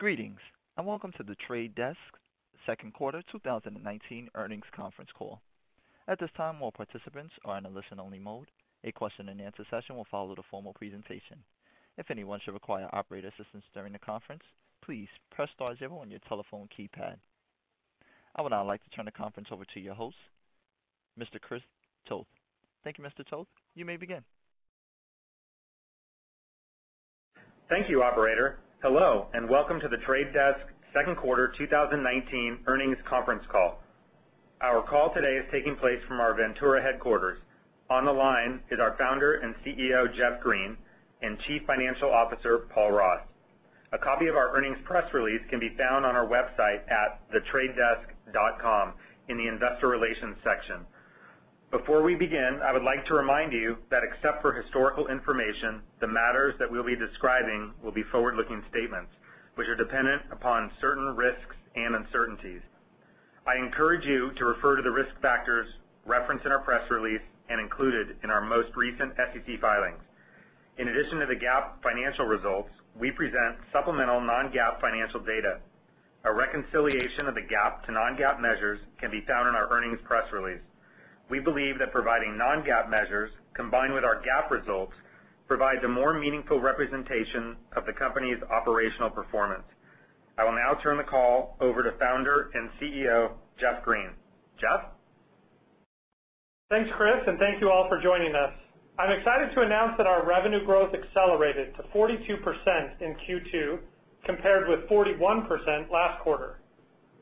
Greetings, and welcome to The Trade Desk second quarter 2019 earnings conference call. At this time, all participants are in a listen-only mode. A question and answer session will follow the formal presentation. If anyone should require operator assistance during the conference, please press star zero on your telephone keypad. I would now like to turn the conference over to your host, Mr. Chris Toth. Thank you, Mr. Toth. You may begin. Thank you, operator. Hello, welcome to The Trade Desk second quarter 2019 earnings conference call. Our call today is taking place from our Ventura headquarters. On the line is our Founder and CEO, Jeff Green, and Chief Financial Officer, Paul Ross. A copy of our earnings press release can be found on our website at thetradedesk.com in the investor relations section. Before we begin, I would like to remind you that except for historical information, the matters that we'll be describing will be forward-looking statements which are dependent upon certain risks and uncertainties. I encourage you to refer to the risk factors referenced in our press release and included in our most recent SEC filings. In addition to the GAAP financial results, we present supplemental non-GAAP financial data. A reconciliation of the GAAP to non-GAAP measures can be found in our earnings press release. We believe that providing non-GAAP measures, combined with our GAAP results, provides a more meaningful representation of the company's operational performance. I will now turn the call over to founder and CEO, Jeff Green. Jeff? Thanks, Chris, and thank you all for joining us. I'm excited to announce that our revenue growth accelerated to 42% in Q2 compared with 41% last quarter.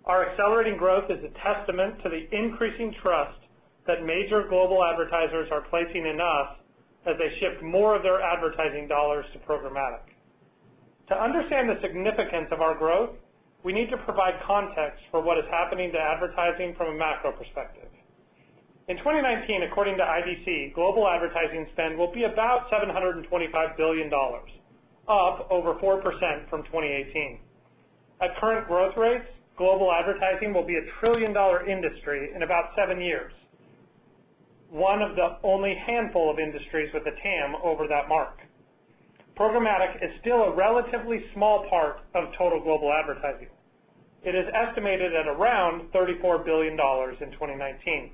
Our accelerating growth is a testament to the increasing trust that major global advertisers are placing in us as they shift more of their advertising dollars to programmatic. To understand the significance of our growth, we need to provide context for what is happening to advertising from a macro perspective. In 2019, according to IBC, global advertising spend will be about $725 billion, up over 4% from 2018. At current growth rates, global advertising will be a trillion-dollar industry in about seven years, one of the only handful of industries with a TAM over that mark. Programmatic is still a relatively small part of total global advertising. It is estimated at around $34 billion in 2019.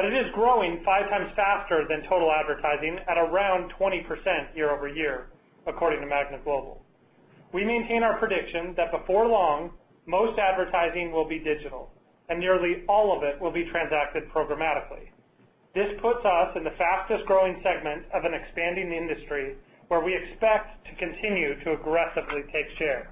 It is growing five times faster than total advertising at around 20% year-over-year, according to Magna Global. We maintain our prediction that before long, most advertising will be digital, and nearly all of it will be transacted programmatically. This puts us in the fastest-growing segment of an expanding industry where we expect to continue to aggressively take share.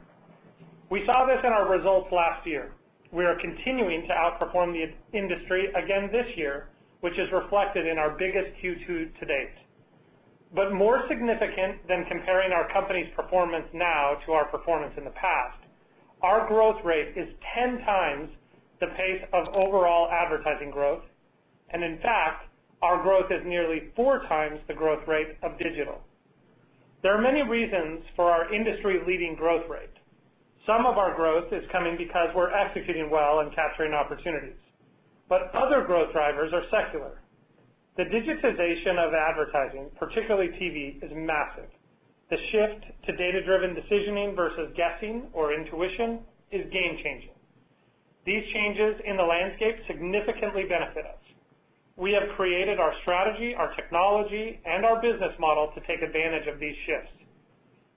We saw this in our results last year. We are continuing to outperform the industry again this year, which is reflected in our biggest Q2 to date. More significant than comparing our company's performance now to our performance in the past, our growth rate is 10 times the pace of overall advertising growth, and in fact, our growth is nearly four times the growth rate of digital. There are many reasons for our industry-leading growth rate. Some of our growth is coming because we're executing well and capturing opportunities, but other growth drivers are secular. The digitization of advertising, particularly TV, is massive. The shift to data-driven decisioning versus guessing or intuition is game-changing. These changes in the landscape significantly benefit us. We have created our strategy, our technology, and our business model to take advantage of these shifts.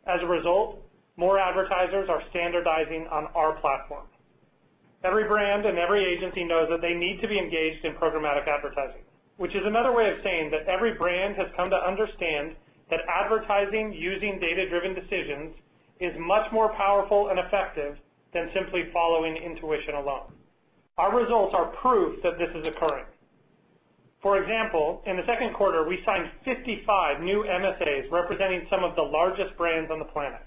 As a result, more advertisers are standardizing on our platform. Every brand and every agency knows that they need to be engaged in programmatic advertising, which is another way of saying that every brand has come to understand that advertising using data-driven decisions is much more powerful and effective than simply following intuition alone. Our results are proof that this is occurring. For example, in the second quarter, we signed 55 new MSAs representing some of the largest brands on the planet.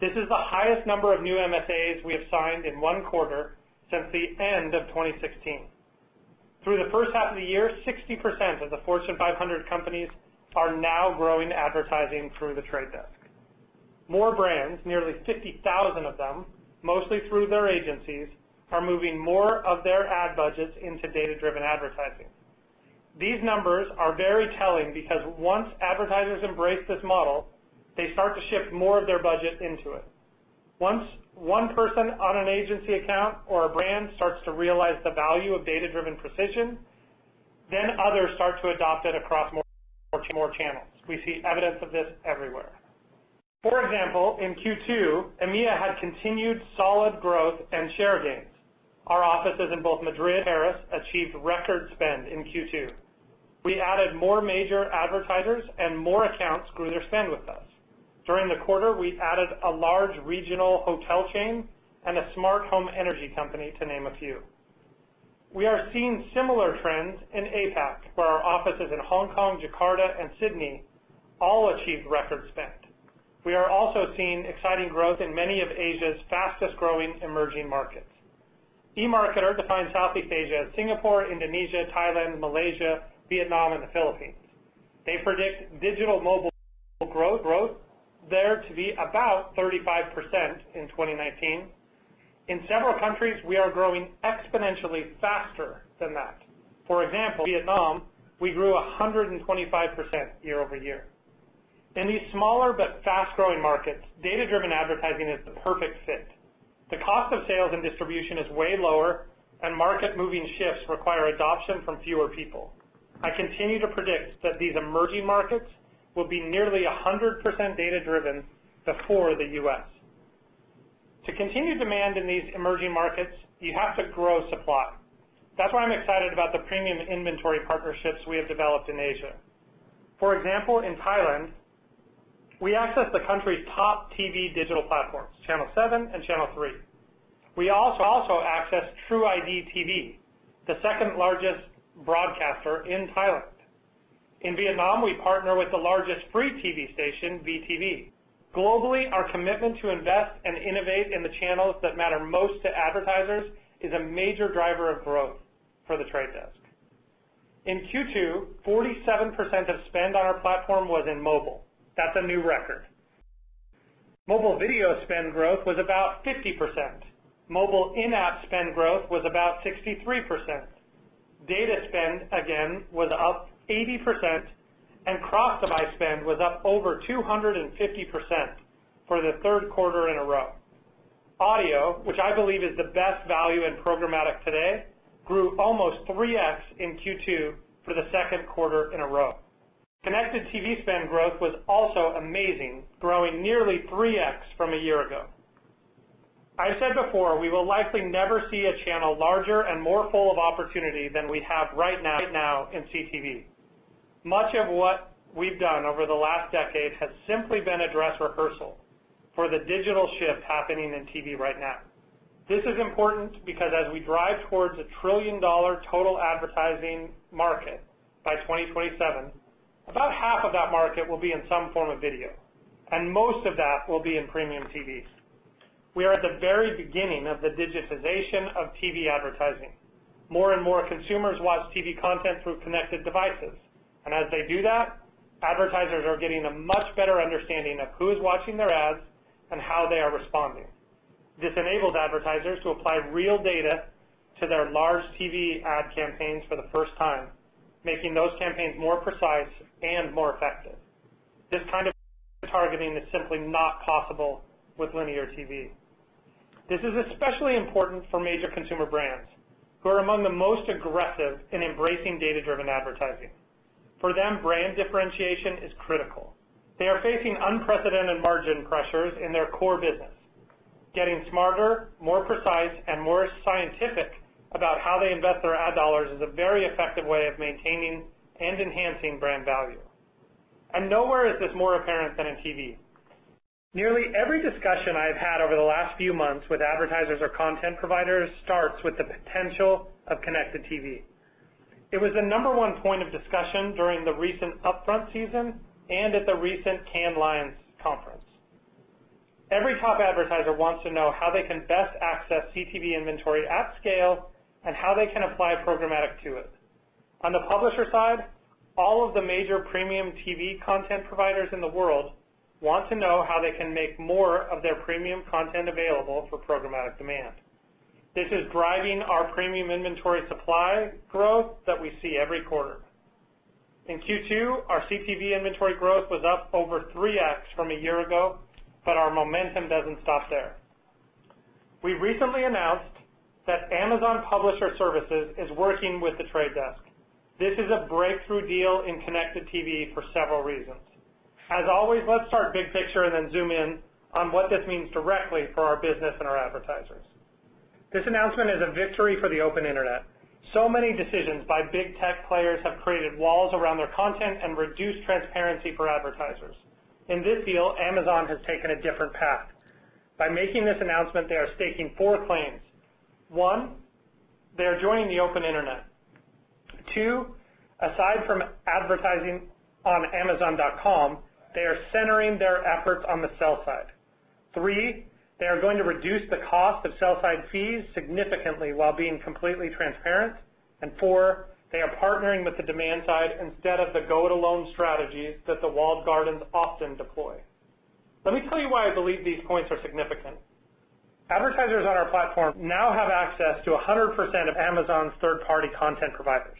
This is the highest number of new MSAs we have signed in one quarter since the end of 2016. Through the first half of the year, 60% of the Fortune 500 companies are now growing advertising through The Trade Desk. More brands, nearly 50,000 of them, mostly through their agencies, are moving more of their ad budgets into data-driven advertising. These numbers are very telling because once advertisers embrace this model, they start to shift more of their budget into it. Once one person on an agency account or a brand starts to realize the value of data-driven precision, then others start to adopt it across more channels. We see evidence of this everywhere. For example, in Q2, EMEA had continued solid growth and share gains. Our offices in both Madrid and Paris achieved record spend in Q2. We added more major advertisers and more accounts grew their spend with us. During the quarter, we added a large regional hotel chain and a smart home energy company, to name a few. We are seeing similar trends in APAC, where our offices in Hong Kong, Jakarta, and Sydney all achieved record spend. We are also seeing exciting growth in many of Asia's fastest-growing emerging markets. eMarketer defines Southeast Asia as Singapore, Indonesia, Thailand, Malaysia, Vietnam, and the Philippines. They predict digital mobile growth there to be about 35% in 2019. In several countries, we are growing exponentially faster than that. For example, Vietnam, we grew 125% year-over-year. In these smaller but fast-growing markets, data-driven advertising is the perfect fit. The cost of sales and distribution is way lower, and market-moving shifts require adoption from fewer people. I continue to predict that these emerging markets will be nearly 100% data-driven before the U.S. To continue demand in these emerging markets, you have to grow supply. That's why I'm excited about the premium inventory partnerships we have developed in Asia. For example, in Thailand, we access the country's top TV digital platforms, Channel 7 and Channel 3. We also access TrueID TV, the second-largest broadcaster in Thailand. In Vietnam, we partner with the largest free TV station, VTV. Globally, our commitment to invest and innovate in the channels that matter most to advertisers is a major driver of growth for The Trade Desk. In Q2, 47% of spend on our platform was in mobile. That's a new record. Mobile video spend growth was about 50%. Mobile in-app spend growth was about 63%. Data spend, again, was up 80%, and cross-device spend was up over 250% for the third quarter in a row. Audio, which I believe is the best value in programmatic today, grew almost 3x in Q2 for the second quarter in a row. Connected TV spend growth was also amazing, growing nearly 3x from a year ago. I said before, we will likely never see a channel larger and more full of opportunity than we have right now in CTV. Much of what we've done over the last decade has simply been a dress rehearsal for the digital shift happening in TV right now. This is important because as we drive towards a trillion-dollar total advertising market by 2027, about half of that market will be in some form of video, and most of that will be in premium TVs. We are at the very beginning of the digitization of TV advertising. More and more consumers watch TV content through connected devices. As they do that, advertisers are getting a much better understanding of who is watching their ads and how they are responding. This enables advertisers to apply real data to their large TV ad campaigns for the first time, making those campaigns more precise and more effective. This kind of targeting is simply not possible with linear TV. This is especially important for major consumer brands who are among the most aggressive in embracing data-driven advertising. For them, brand differentiation is critical. They are facing unprecedented margin pressures in their core business. Getting smarter, more precise, and more scientific about how they invest their ad dollars is a very effective way of maintaining and enhancing brand value. Nowhere is this more apparent than in TV. Nearly every discussion I've had over the last few months with advertisers or content providers starts with the potential of connected TV. It was the number one point of discussion during the recent upfront season and at the recent Cannes Lions conference. Every top advertiser wants to know how they can best access CTV inventory at scale and how they can apply programmatic to it. On the publisher side, all of the major premium TV content providers in the world want to know how they can make more of their premium content available for programmatic demand. This is driving our premium inventory supply growth that we see every quarter. In Q2, our CTV inventory growth was up over 3x from a year ago, but our momentum doesn't stop there. We recently announced that Amazon Publisher Services is working with The Trade Desk. This is a breakthrough deal in connected TV for several reasons. As always, let's start big picture and then zoom in on what this means directly for our business and our advertisers. This announcement is a victory for the open internet. Many decisions by big tech players have created walls around their content and reduced transparency for advertisers. In this deal, Amazon has taken a different path. By making this announcement, they are staking four claims. One, they are joining the open internet. Two, aside from advertising on amazon.com, they are centering their efforts on the sell side. Three, they are going to reduce the cost of sell side fees significantly while being completely transparent. Four, they are partnering with the demand side instead of the go-it-alone strategies that the walled gardens often deploy. Let me tell you why I believe these points are significant. Advertisers on our platform now have access to 100% of Amazon's third-party content providers.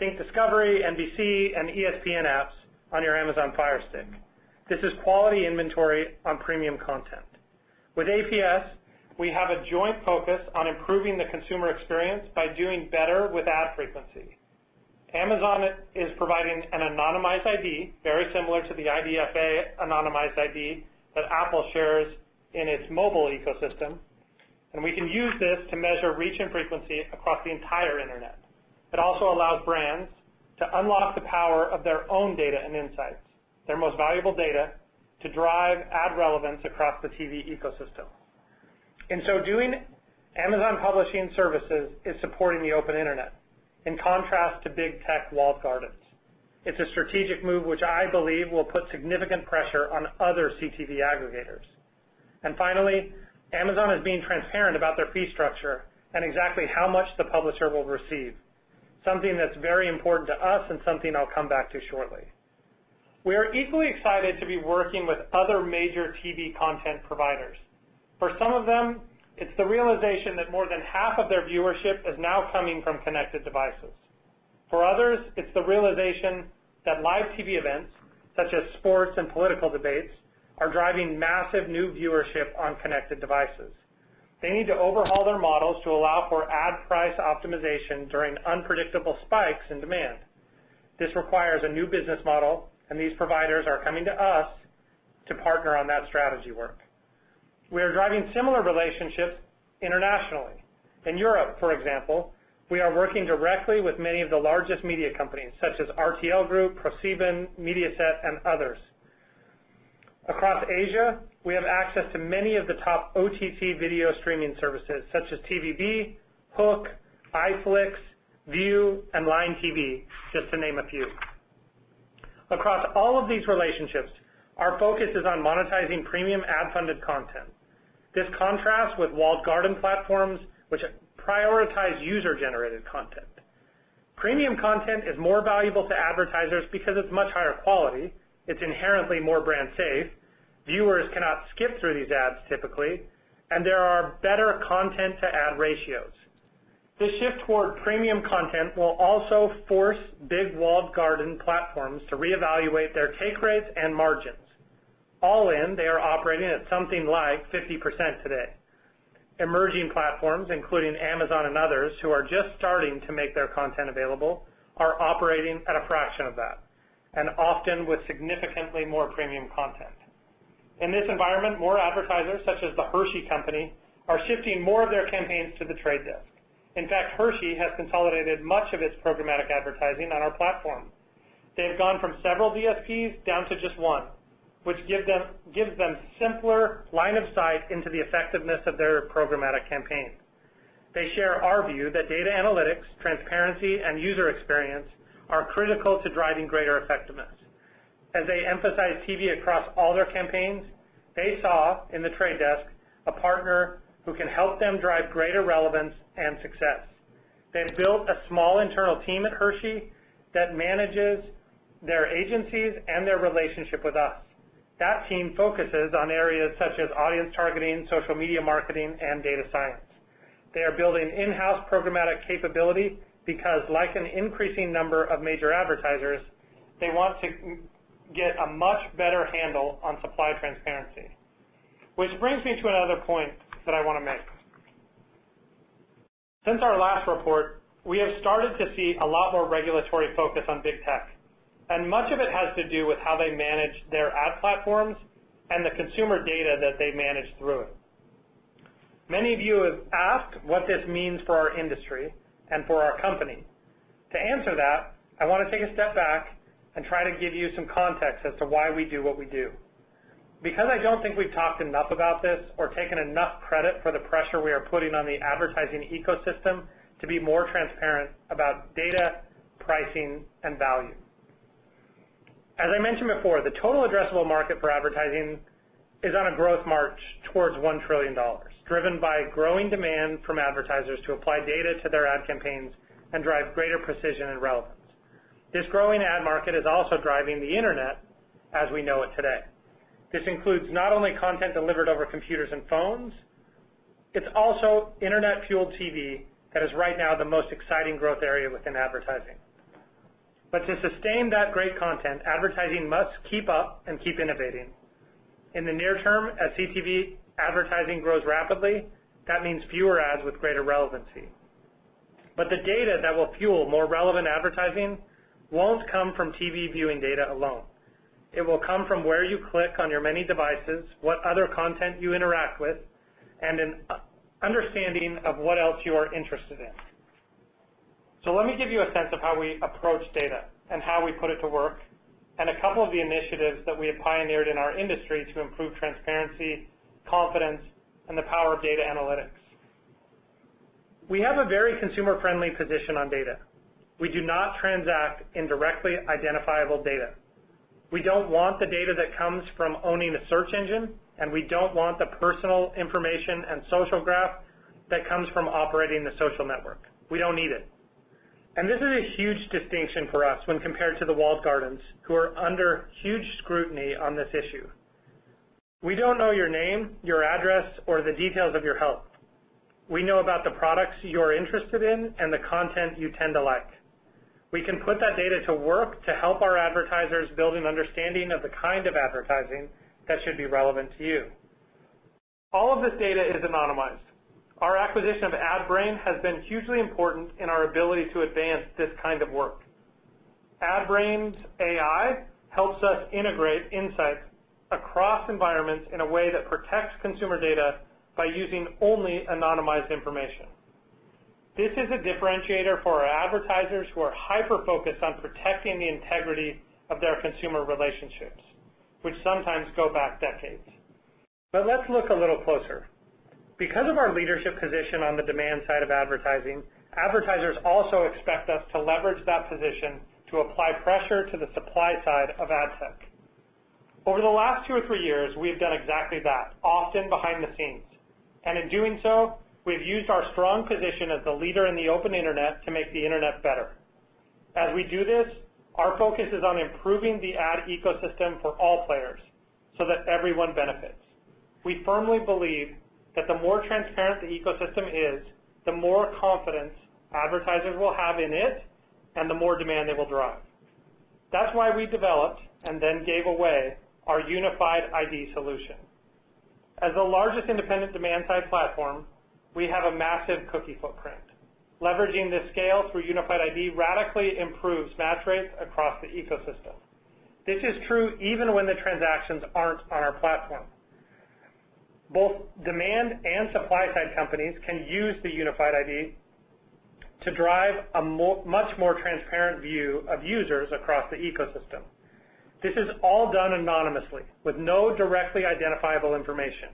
Think Discovery, NBC, and ESPN apps on your Amazon Fire Stick. This is quality inventory on premium content. With APS, we have a joint focus on improving the consumer experience by doing better with ad frequency. Amazon is providing an anonymized ID, very similar to the IDFA anonymized ID that Apple shares in its mobile ecosystem, and we can use this to measure reach and frequency across the entire internet. It also allows brands to unlock the power of their own data and insights, their most valuable data, to drive ad relevance across the TV ecosystem. In so doing, Amazon Publisher Services is supporting the open internet, in contrast to big tech walled gardens. It's a strategic move which I believe will put significant pressure on other CTV aggregators. Finally, Amazon is being transparent about their fee structure and exactly how much the publisher will receive, something that's very important to us and something I'll come back to shortly. We are equally excited to be working with other major TV content providers. For some of them, it's the realization that more than half of their viewership is now coming from connected devices. For others, it's the realization that live TV events, such as sports and political debates, are driving massive new viewership on connected devices. They need to overhaul their models to allow for ad price optimization during unpredictable spikes in demand. This requires a new business model, and these providers are coming to us to partner on that strategy work. We are driving similar relationships internationally. In Europe, for example, we are working directly with many of the largest media companies, such as RTL Group, ProSieben, Mediaset, and others. Across Asia, we have access to many of the top OTT video streaming services such as TVB, HOOQ, iflix, Viu, and Line TV, just to name a few. Across all of these relationships, our focus is on monetizing premium ad-funded content. This contrasts with walled garden platforms which prioritize user-generated content. Premium content is more valuable to advertisers because it's much higher quality, it's inherently more brand safe, viewers cannot skip through these ads typically, and there are better content-to-ad ratios. The shift toward premium content will also force big walled garden platforms to reevaluate their take rates and margins. All in, they are operating at something like 50% today. Emerging platforms, including Amazon and others, who are just starting to make their content available, are operating at a fraction of that, and often with significantly more premium content. In this environment, more advertisers, such as The Hershey Company, are shifting more of their campaigns to The Trade Desk. In fact, Hershey has consolidated much of its programmatic advertising on our platform. They have gone from several DSPs down to just one, which gives them simpler line of sight into the effectiveness of their programmatic campaigns. They share our view that data analytics, transparency, and user experience are critical to driving greater effectiveness. As they emphasize TV across all their campaigns, they saw in The Trade Desk a partner who can help them drive greater relevance and success. They've built a small internal team at Hershey that manages their agencies and their relationship with us. That team focuses on areas such as audience targeting, social media marketing, and data science. They are building in-house programmatic capability because like an increasing number of major advertisers, they want to get a much better handle on supply transparency. Which brings me to another point that I want to make. Since our last report, we have started to see a lot more regulatory focus on big tech, and much of it has to do with how they manage their ad platforms and the consumer data that they manage through it. Many of you have asked what this means for our industry and for our company. To answer that, I want to take a step back and try to give you some context as to why we do what we do, because I don't think we've talked enough about this or taken enough credit for the pressure we are putting on the advertising ecosystem to be more transparent about data, pricing, and value. As I mentioned before, the total addressable market for advertising is on a growth march towards $1 trillion, driven by growing demand from advertisers to apply data to their ad campaigns and drive greater precision and relevance. This growing ad market is also driving the internet as we know it today. This includes not only content delivered over computers and phones, it's also internet-fueled TV that is right now the most exciting growth area within advertising. To sustain that great content, advertising must keep up and keep innovating. In the near term, as CTV advertising grows rapidly, that means fewer ads with greater relevancy. The data that will fuel more relevant advertising won't come from TV viewing data alone. It will come from where you click on your many devices, what other content you interact with, and an understanding of what else you are interested in. Let me give you a sense of how we approach data and how we put it to work, and a couple of the initiatives that we have pioneered in our industry to improve transparency, confidence, and the power of data analytics. We have a very consumer-friendly position on data. We do not transact in directly identifiable data. We don't want the data that comes from owning a search engine, and we don't want the personal information and social graph that comes from operating the social network. We don't need it. This is a huge distinction for us when compared to the walled gardens, who are under huge scrutiny on this issue. We don't know your name, your address, or the details of your health. We know about the products you are interested in and the content you tend to like. We can put that data to work to help our advertisers build an understanding of the kind of advertising that should be relevant to you. All of this data is anonymized. Our acquisition of Adbrain has been hugely important in our ability to advance this kind of work. Adbrain's AI helps us integrate insights across environments in a way that protects consumer data by using only anonymized information. This is a differentiator for our advertisers who are hyper-focused on protecting the integrity of their consumer relationships, which sometimes go back decades. Let's look a little closer. Because of our leadership position on the demand side of advertising, advertisers also expect us to leverage that position to apply pressure to the supply side of ad tech. Over the last two or three years, we have done exactly that, often behind the scenes. In doing so, we've used our strong position as the leader in the open internet to make the internet better. As we do this, our focus is on improving the ad ecosystem for all players so that everyone benefits. We firmly believe that the more transparent the ecosystem is, the more confidence advertisers will have in it, and the more demand it will drive. That's why we developed and then gave away our Unified ID solution. As the largest independent demand-side platform, we have a massive cookie footprint. Leveraging this scale through Unified ID radically improves match rates across the ecosystem. This is true even when the transactions aren't on our platform. Both demand and supply-side companies can use the Unified ID to drive a much more transparent view of users across the ecosystem. This is all done anonymously with no directly identifiable information.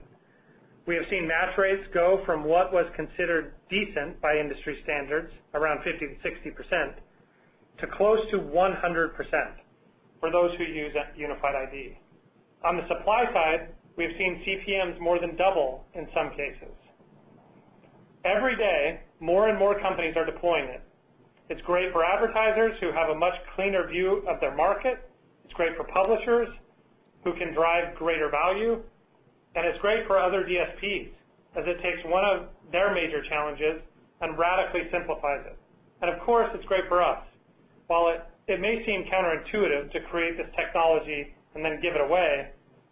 We have seen match rates go from what was considered decent by industry standards, around 50% to 60%, to close to 100% for those who use Unified ID. On the supply side, we have seen CPMs more than double in some cases. Every day, more and more companies are deploying it. It's great for advertisers who have a much cleaner view of their market. It's great for publishers who can drive greater value. It's great for other DSPs, as it takes one of their major challenges and radically simplifies it. Of course, it's great for us. While it may seem counterintuitive to create this technology and then give it away,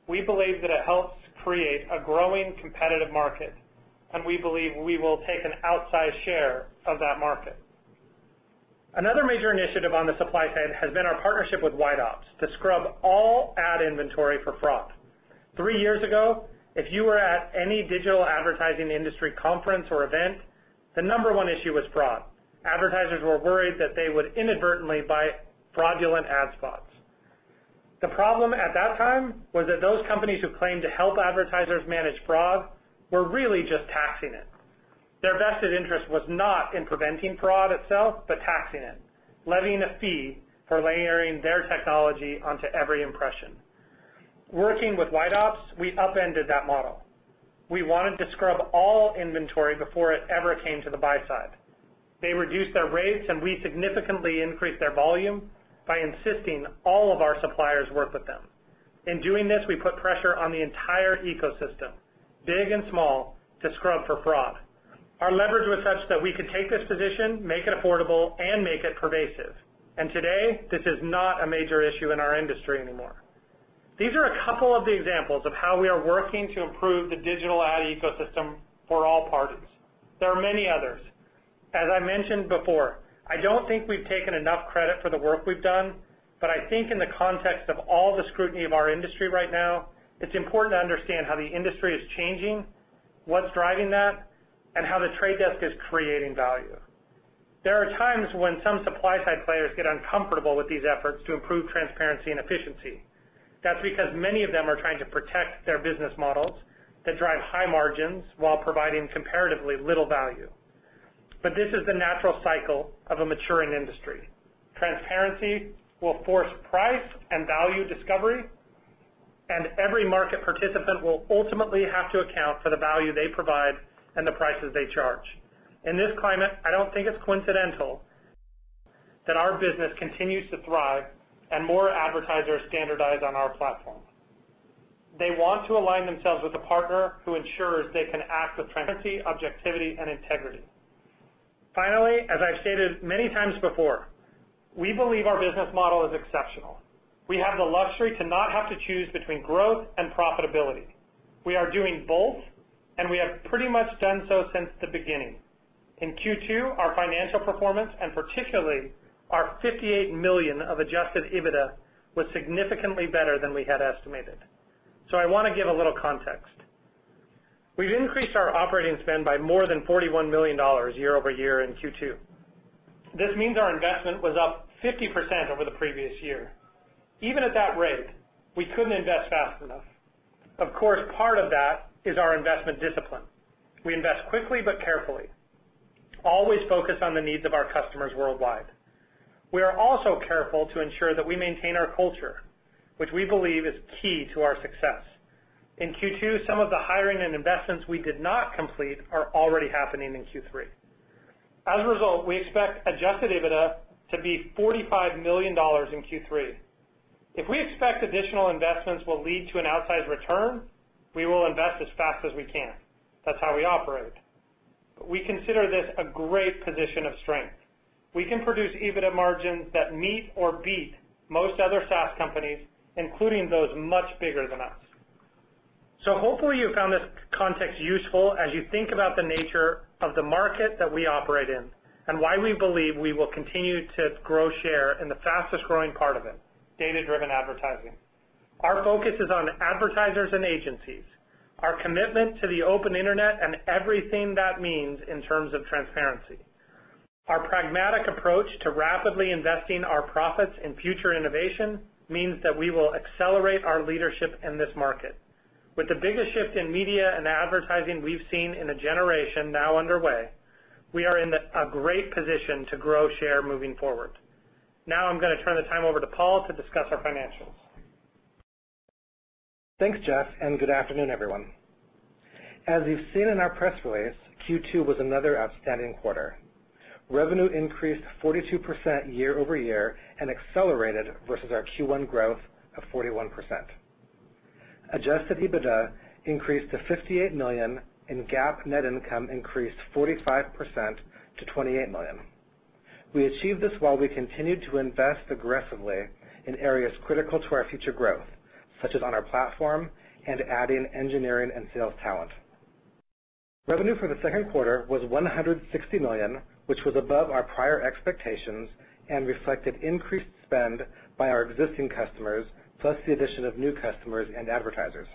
we believe that it helps create a growing competitive market, and we believe we will take an outsized share of that market. Another major initiative on the supply side has been our partnership with White Ops to scrub all ad inventory for fraud. Three years ago, if you were at any digital advertising industry conference or event, the number one issue was fraud. Advertisers were worried that they would inadvertently buy fraudulent ad spots. The problem at that time was that those companies who claimed to help advertisers manage fraud were really just taxing it. Their vested interest was not in preventing fraud itself, but taxing it, levying a fee for layering their technology onto every impression. Working with White Ops, we upended that model. We wanted to scrub all inventory before it ever came to the buy side. They reduced their rates, we significantly increased their volume by insisting all of our suppliers work with them. In doing this, we put pressure on the entire ecosystem, big and small, to scrub for fraud. Our leverage was such that we could take this position, make it affordable, and make it pervasive. Today, this is not a major issue in our industry anymore. These are a couple of the examples of how we are working to improve the digital ad ecosystem for all parties. There are many others. As I mentioned before, I don't think we've taken enough credit for the work we've done, but I think in the context of all the scrutiny of our industry right now, it's important to understand how the industry is changing, what's driving that, and how The Trade Desk is creating value. There are times when some supply-side players get uncomfortable with these efforts to improve transparency and efficiency. That's because many of them are trying to protect their business models that drive high margins while providing comparatively little value. This is the natural cycle of a maturing industry. Transparency will force price and value discovery, and every market participant will ultimately have to account for the value they provide and the prices they charge. In this climate, I don't think it's coincidental that our business continues to thrive and more advertisers standardize on our platform. They want to align themselves with a partner who ensures they can act with transparency, objectivity, and integrity. As I've stated many times before, we believe our business model is exceptional. We have the luxury to not have to choose between growth and profitability. We are doing both, and we have pretty much done so since the beginning. In Q2, our financial performance, and particularly our $58 million of adjusted EBITDA, was significantly better than we had estimated. I want to give a little context. We've increased our operating spend by more than $41 million year-over-year in Q2. This means our investment was up 50% over the previous year. Even at that rate, we couldn't invest fast enough. Of course, part of that is our investment discipline. We invest quickly but carefully, always focused on the needs of our customers worldwide. We are also careful to ensure that we maintain our culture, which we believe is key to our success. In Q2, some of the hiring and investments we did not complete are already happening in Q3. As a result, we expect adjusted EBITDA to be $45 million in Q3. If we expect additional investments will lead to an outsized return, we will invest as fast as we can. That's how we operate. We consider this a great position of strength. We can produce EBITDA margins that meet or beat most other SaaS companies, including those much bigger than us. Hopefully you found this context useful as you think about the nature of the market that we operate in and why we believe we will continue to grow share in the fastest-growing part of it, data-driven advertising. Our focus is on advertisers and agencies, our commitment to the open internet and everything that means in terms of transparency. Our pragmatic approach to rapidly investing our profits in future innovation means that we will accelerate our leadership in this market. With the biggest shift in media and advertising we've seen in a generation now underway. We are in a great position to grow share moving forward. I'm going to turn the time over to Paul to discuss our financials. Thanks, Jeff. Good afternoon, everyone. As you've seen in our press release, Q2 was another outstanding quarter. Revenue increased 42% year-over-year and accelerated versus our Q1 growth of 41%. Adjusted EBITDA increased to $58 million and GAAP net income increased 45% to $28 million. We achieved this while we continued to invest aggressively in areas critical to our future growth, such as on our platform and adding engineering and sales talent. Revenue for the second quarter was $160 million, which was above our prior expectations and reflected increased spend by our existing customers, plus the addition of new customers and advertisers.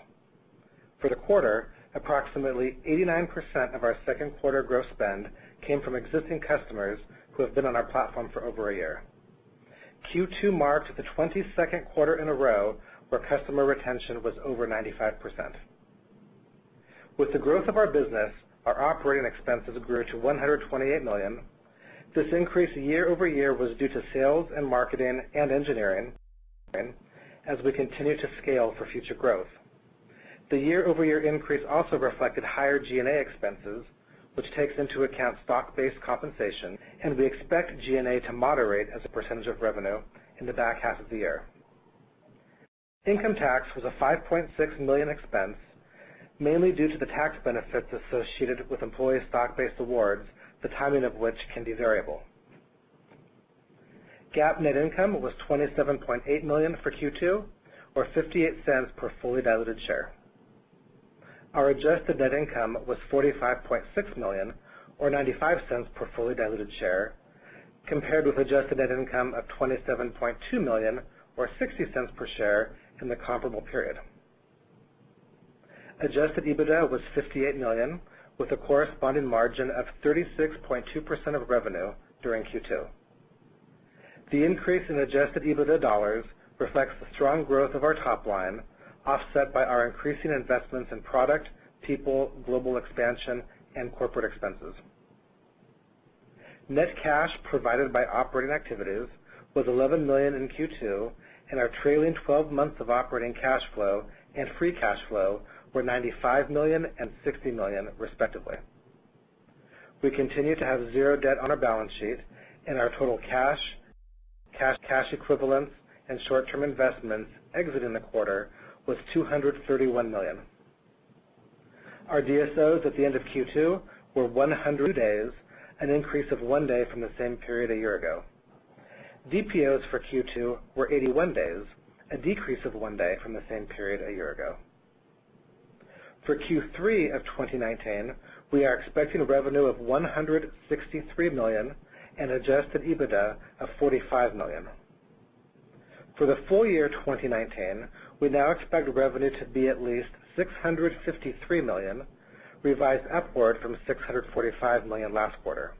For the quarter, approximately 89% of our second quarter gross spend came from existing customers who have been on our platform for over a year. Q2 marks the 22nd quarter in a row where customer retention was over 95%. With the growth of our business, our operating expenses grew to $128 million. This increase year-over-year was due to sales in marketing and engineering as we continue to scale for future growth. The year-over-year increase also reflected higher G&A expenses, which takes into account stock-based compensation, and we expect G&A to moderate as a % of revenue in the back half of the year. Income tax was a $5.6 million expense, mainly due to the tax benefits associated with employee stock-based awards, the timing of which can be variable. GAAP net income was $27.8 million for Q2, or $0.58 per fully diluted share. Our adjusted net income was $45.6 million or $0.95 per fully diluted share, compared with adjusted net income of $27.2 million or $0.60 per share in the comparable period. Adjusted EBITDA was $58 million, with a corresponding margin of 36.2% of revenue during Q2. The increase in adjusted EBITDA dollars reflects the strong growth of our top line, offset by our increasing investments in product, people, global expansion, and corporate expenses. Net cash provided by operating activities was $11 million in Q2, and our trailing 12 months of operating cash flow and free cash flow were $95 million and $60 million, respectively. We continue to have zero debt on our balance sheet and our total cash equivalents and short-term investments exiting the quarter was $231 million. Our DSOs at the end of Q2 were 100 days, an increase of one day from the same period a year ago. DPOs for Q2 were 81 days, a decrease of one day from the same period a year ago. For Q3 of 2019, we are expecting revenue of $163 million and adjusted EBITDA of $45 million. For the full year 2019, we now expect revenue to be at least $653 million, revised upward from $645 million last quarter.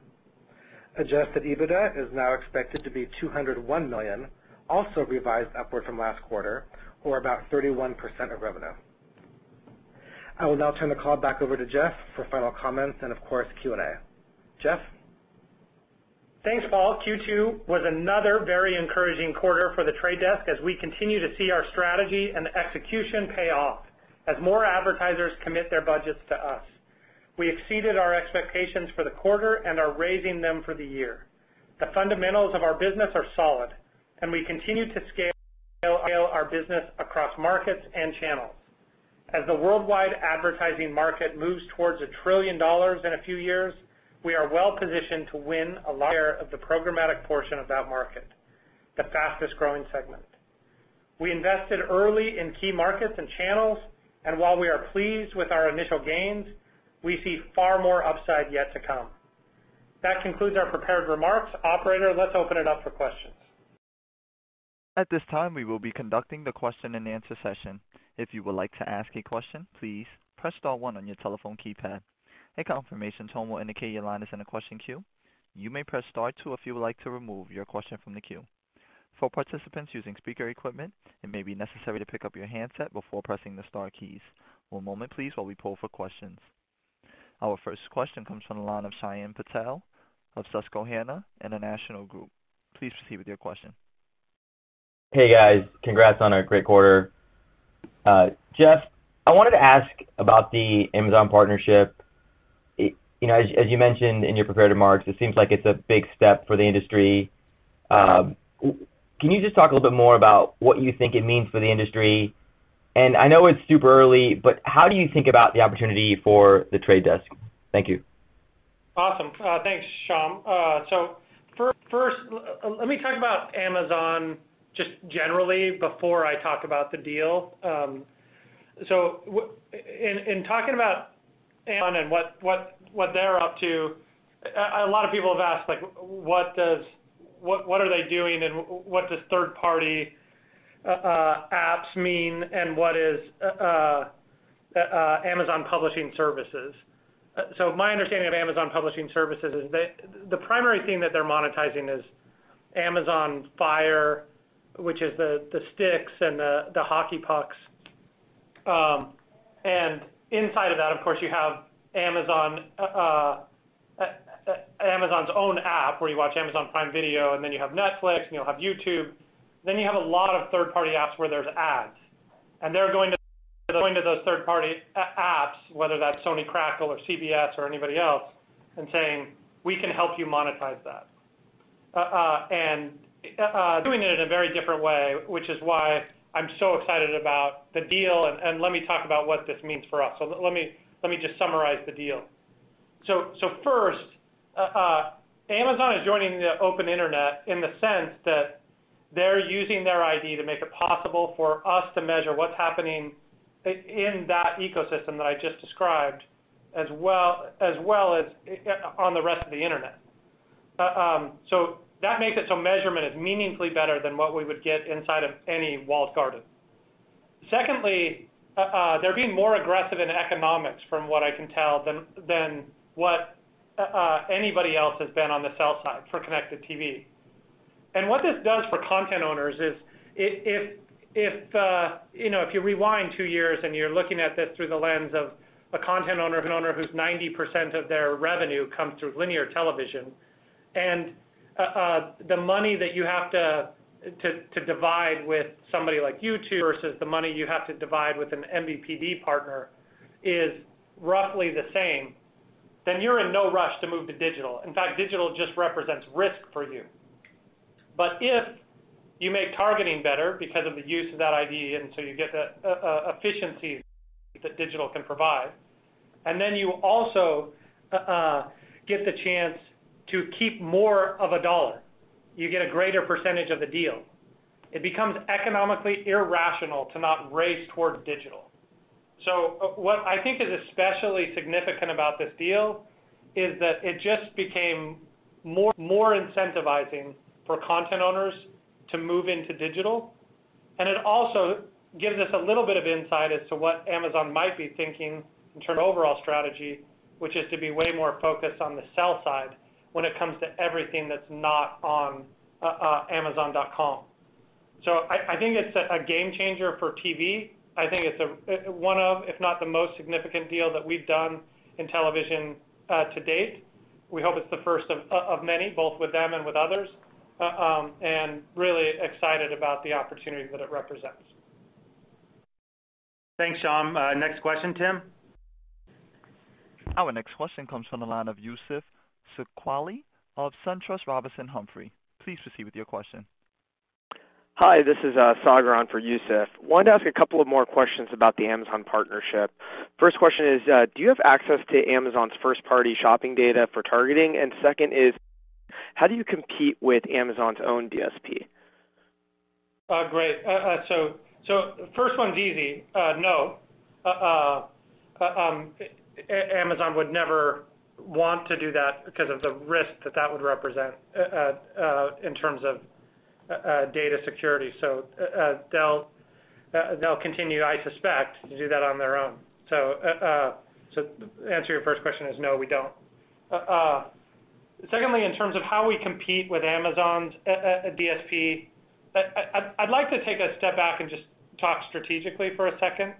Adjusted EBITDA is now expected to be $201 million, also revised upward from last quarter, or about 31% of revenue. I will now turn the call back over to Jeff for final comments and of course, Q&A. Jeff? Thanks, Paul. Q2 was another very encouraging quarter for The Trade Desk as we continue to see our strategy and execution pay off as more advertisers commit their budgets to us. We exceeded our expectations for the quarter and are raising them for the year. The fundamentals of our business are solid and we continue to scale our business across markets and channels. As the worldwide advertising market moves towards $1 trillion in a few years, we are well positioned to win a lot of the programmatic portion of that market, the fastest growing segment. We invested early in key markets and channels, and while we are pleased with our initial gains, we see far more upside yet to come. That concludes our prepared remarks. Operator, let's open it up for questions. At this time, we will be conducting the question and answer session. If you would like to ask a question, please press star one on your telephone keypad. A confirmation tone will indicate your line is in a question queue. You may press star two if you would like to remove your question from the queue. For participants using speaker equipment, it may be necessary to pick up your handset before pressing the star keys. One moment please while we poll for questions. Our first question comes from the line of Shyam Patil of Susquehanna International Group. Please proceed with your question. Hey, guys. Congrats on a great quarter. Jeff, I wanted to ask about the Amazon partnership. As you mentioned in your prepared remarks, it seems like it's a big step for the industry. Can you just talk a little bit more about what you think it means for the industry? I know it's super early, but how do you think about the opportunity for The Trade Desk? Thank you. Awesome. Thanks, Shyam. First, let me talk about Amazon just generally before I talk about the deal. In talking about Amazon and what they're up to, a lot of people have asked, what are they doing and what does third-party apps mean and what is Amazon Publisher Services? My understanding of Amazon Publisher Services is the primary thing that they're monetizing is Amazon Fire, which is the sticks and the hockey pucks. Inside of that, of course, you have Amazon's own app where you watch Amazon Prime Video, and then you have Netflix, and you'll have YouTube. You have a lot of third-party apps where there's ads. They're going to those third party apps, whether that's Sony Crackle or CBS or anybody else, and saying, "We can help you monetize that." Doing it in a very different way, which is why I'm so excited about the deal, and let me talk about what this means for us. Let me just summarize the deal. First, Amazon is joining the open internet in the sense that they're using their ID to make it possible for us to measure what's happening in that ecosystem that I just described, as well as on the rest of the internet. That makes it so measurement is meaningfully better than what we would get inside of any walled garden. Secondly, they're being more aggressive in economics, from what I can tell, than what anybody else has been on the sell side for connected TV. What this does for content owners is, if you rewind two years and you're looking at this through the lens of a content owner, an owner who's 90% of their revenue comes through linear television, and the money that you have to divide with somebody like YouTube versus the money you have to divide with an MVPD partner is roughly the same, then you're in no rush to move to digital. In fact, digital just represents risk for you. If you make targeting better because of the use of that ID, and so you get the efficiencies that digital can provide, and then you also get the chance to keep more of a dollar. You get a greater percentage of the deal. It becomes economically irrational to not race towards digital. What I think is especially significant about this deal is that it just became more incentivizing for content owners to move into digital. It also gives us a little bit of insight as to what Amazon might be thinking in terms of overall strategy, which is to be way more focused on the sell side when it comes to everything that's not on amazon.com. I think it's a game changer for TV. I think it's one of, if not the most significant deal that we've done in television to date. We hope it's the first of many, both with them and with others, and really excited about the opportunity that it represents. Thanks, Shyam. Next question, Tim. Our next question comes from the line of Youssef Squali of SunTrust Robinson Humphrey. Please proceed with your question. Hi, this is Sagar for Youssef. Wanted to ask a couple of more questions about the Amazon partnership. First question is, do you have access to Amazon's first party shopping data for targeting? Second is, how do you compete with Amazon's own DSP? Great. First one's easy. No. Amazon would never want to do that because of the risk that that would represent in terms of data security. They'll continue, I suspect, to do that on their own. To answer your first question is no, we don't. Secondly, in terms of how we compete with Amazon's DSP, I'd like to take a step back and just talk strategically for a second.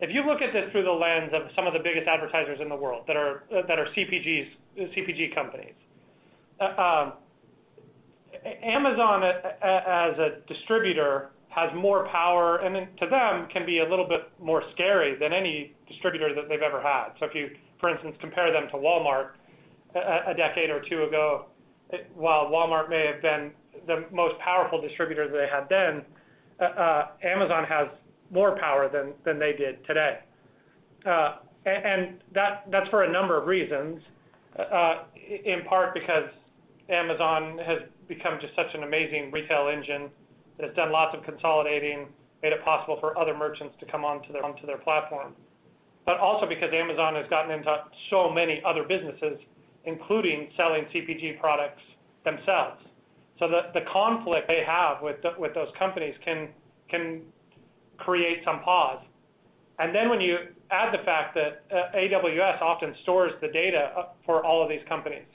If you look at this through the lens of some of the biggest advertisers in the world that are CPG companies, Amazon as a distributor has more power and to them can be a little bit more scary than any distributor that they've ever had. If you, for instance, compare them to Walmart a decade or two ago, while Walmart may have been the most powerful distributor they had then, Amazon has more power than they did today. That's for a number of reasons, in part because Amazon has become just such an amazing retail engine that has done lots of consolidating, made it possible for other merchants to come onto their platform. Also because Amazon has gotten into so many other businesses, including selling CPG products themselves. The conflict they have with those companies can create some pause. When you add the fact that AWS often stores the data for all of these companies,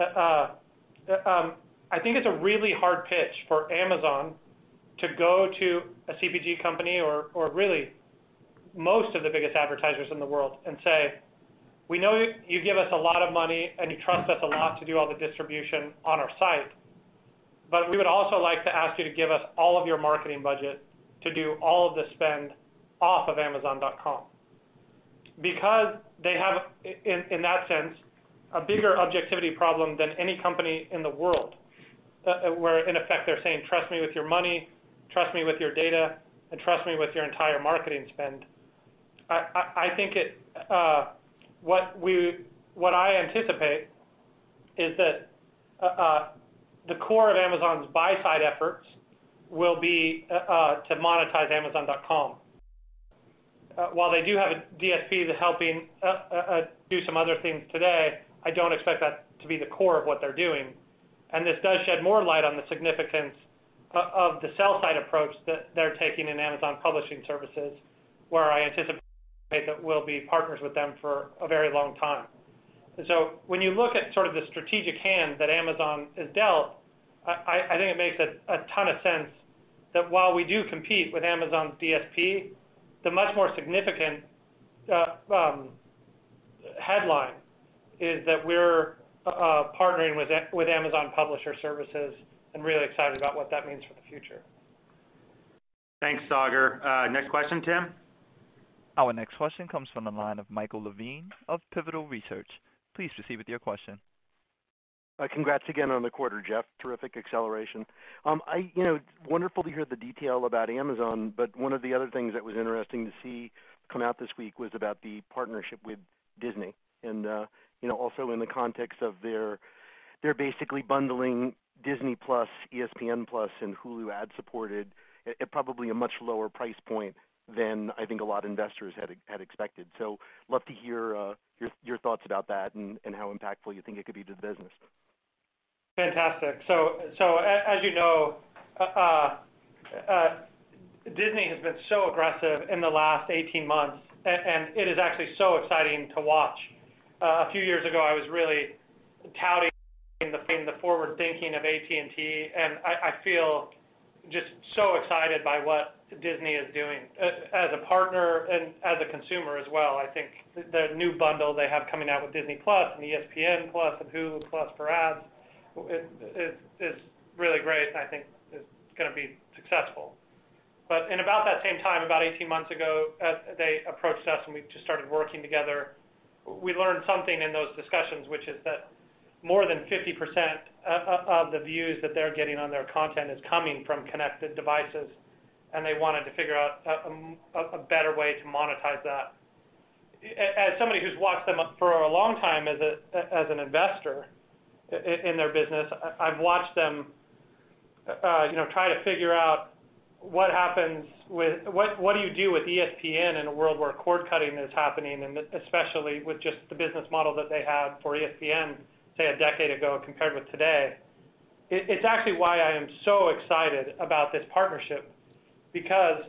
I think it's a really hard pitch for Amazon to go to a CPG company or really most of the biggest advertisers in the world and say, "We know you give us a lot of money and you trust us a lot to do all the distribution on our site, but we would also like to ask you to give us all of your marketing budget to do all of the spend off of amazon.com." They have, in that sense, a bigger objectivity problem than any company in the world, where in effect they're saying, "Trust me with your money, trust me with your data, and trust me with your entire marketing spend." I think what I anticipate is that the core of Amazon's buy side efforts will be to monetize amazon.com. While they do have a DSP that's helping do some other things today, I don't expect that to be the core of what they're doing. This does shed more light on the significance of the sell side approach that they're taking in Amazon Publisher Services, where I anticipate that we'll be partners with them for a very long time. When you look at sort of the strategic hand that Amazon has dealt, I think it makes a ton of sense that while we do compete with Amazon DSP, the much more significant headline is that we're partnering with Amazon Publisher Services and really excited about what that means for the future. Thanks, Sagar. Next question, Tim. Our next question comes from the line of Michael Levine of Pivotal Research. Please proceed with your question. Congrats again on the quarter, Jeff. Terrific acceleration. Wonderful to hear the detail about Amazon, but one of the other things that was interesting to see come out this week was about the partnership with Disney and also in the context of their basically bundling Disney+, ESPN+, and Hulu ad-supported at probably a much lower price point than I think a lot investors had expected. Love to hear your thoughts about that and how impactful you think it could be to the business. Fantastic. As you know, Disney has been so aggressive in the last 18 months and it is actually so exciting to watch. A few years ago, I was really touting the forward thinking of AT&T, and I feel just so excited by what Disney is doing as a partner and as a consumer as well. I think the new bundle they have coming out with Disney+ and ESPN+ and Hulu+ for ads is really great, and I think is going to be successful. In about that same time, about 18 months ago, they approached us and we just started working together. We learned something in those discussions, which is that more than 50% of the views that they're getting on their content is coming from connected devices, and they wanted to figure out a better way to monetize that. As somebody who's watched them for a long time as an investor in their business, I've watched them try to figure out what do you do with ESPN in a world where cord cutting is happening, and especially with just the business model that they had for ESPN, say a decade ago compared with today. It's actually why I am so excited about this partnership because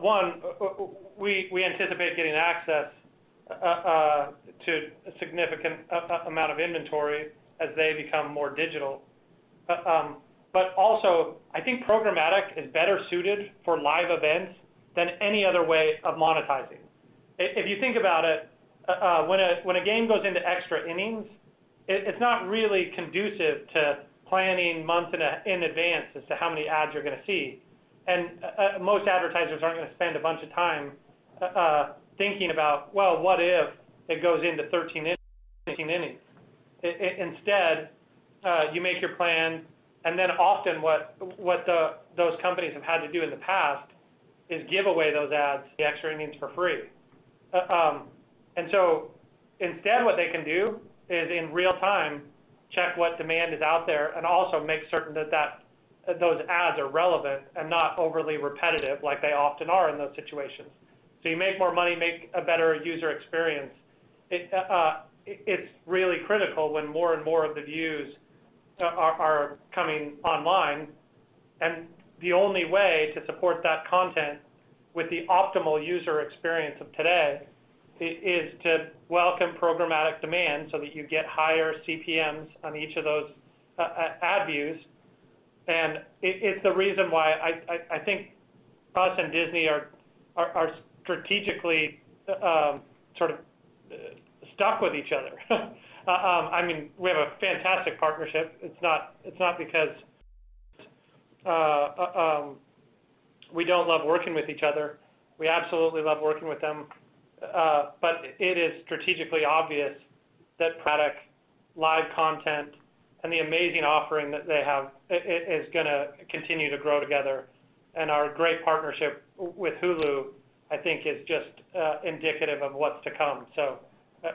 one, we anticipate getting access to a significant amount of inventory as they become more digital. Also, I think programmatic is better suited for live events than any other way of monetizing. If you think about it, when a game goes into extra innings, it's not really conducive to planning months in advance as to how many ads you're going to see. Most advertisers aren't going to spend a bunch of time thinking about, well, what if it goes into 13 innings? Instead, you make your plan, often what those companies have had to do in the past is give away those ads, the extra innings for free. Instead what they can do is, in real-time, check what demand is out there and also make certain that those ads are relevant and not overly repetitive like they often are in those situations. You make more money, make a better user experience. It's really critical when more and more of the views are coming online, and the only way to support that content with the optimal user experience of today is to welcome programmatic demand so that you get higher CPMs on each of those ad views. It's the reason why I think us and Disney are strategically sort of stuck with each other. We have a fantastic partnership. It's not because we don't love working with each other. We absolutely love working with them. It is strategically obvious that product, live content, and the amazing offering that they have is going to continue to grow together. Our great partnership with Hulu, I think, is just indicative of what's to come.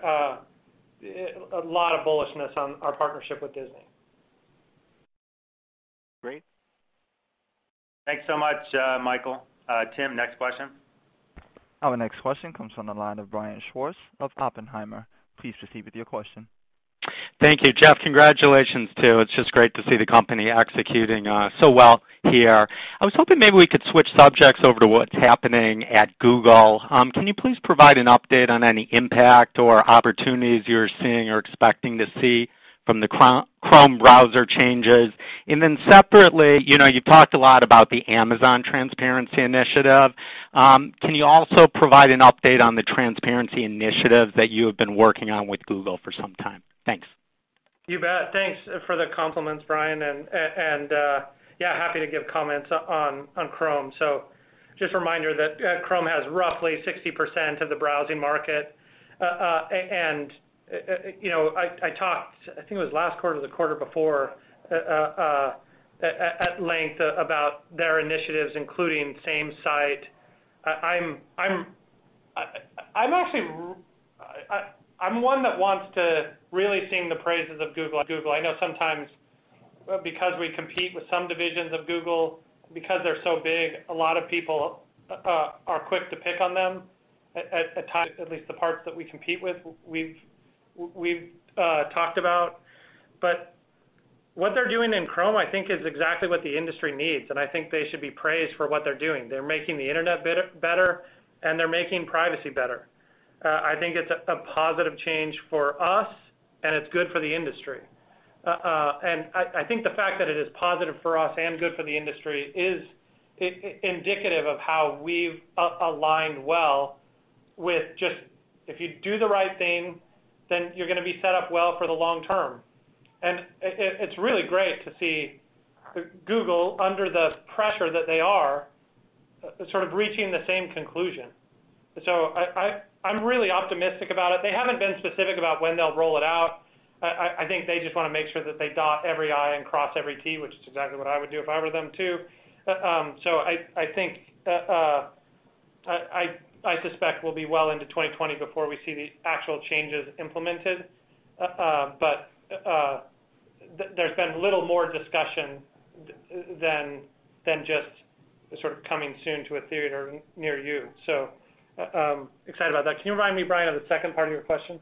A lot of bullishness on our partnership with Disney. Great. Thanks so much, Michael. Tim, next question. Our next question comes from the line of Brian Schwartz of Oppenheimer. Please proceed with your question. Thank you, Jeff. Congratulations, too. It's just great to see the company executing so well here. I was hoping maybe we could switch subjects over to what's happening at Google. Can you please provide an update on any impact or opportunities you're seeing or expecting to see from the Chrome browser changes? Separately, you talked a lot about the Amazon Transparency Initiative. Can you also provide an update on the Transparency Initiative that you have been working on with Google for some time? Thanks. You bet. Thanks for the compliments, Brian. Yeah, happy to give comments on Chrome. Just a reminder that Chrome has roughly 60% of the browsing market. I talked, I think it was last quarter or the quarter before, at length about their initiatives, including SameSite. I'm one that wants to really sing the praises of Google. I know sometimes because we compete with some divisions of Google, because they're so big, a lot of people are quick to pick on them at times, at least the parts that we compete with, we've talked about. What they're doing in Chrome, I think, is exactly what the industry needs, and I think they should be praised for what they're doing. They're making the Internet better, and they're making privacy better. I think it's a positive change for us and it's good for the industry. I think the fact that it is positive for us and good for the industry is indicative of how we've aligned well with just, if you do the right thing, then you're going to be set up well for the long term. It's really great to see Google, under the pressure that they are, sort of reaching the same conclusion. I'm really optimistic about it. They haven't been specific about when they'll roll it out. I think they just want to make sure that they dot every I and cross every T, which is exactly what I would do if I were them, too. I suspect we'll be well into 2020 before we see the actual changes implemented. There's been little more discussion than just sort of coming soon to a theater near you. Excited about that. Can you remind me, Brian, of the second part of your question?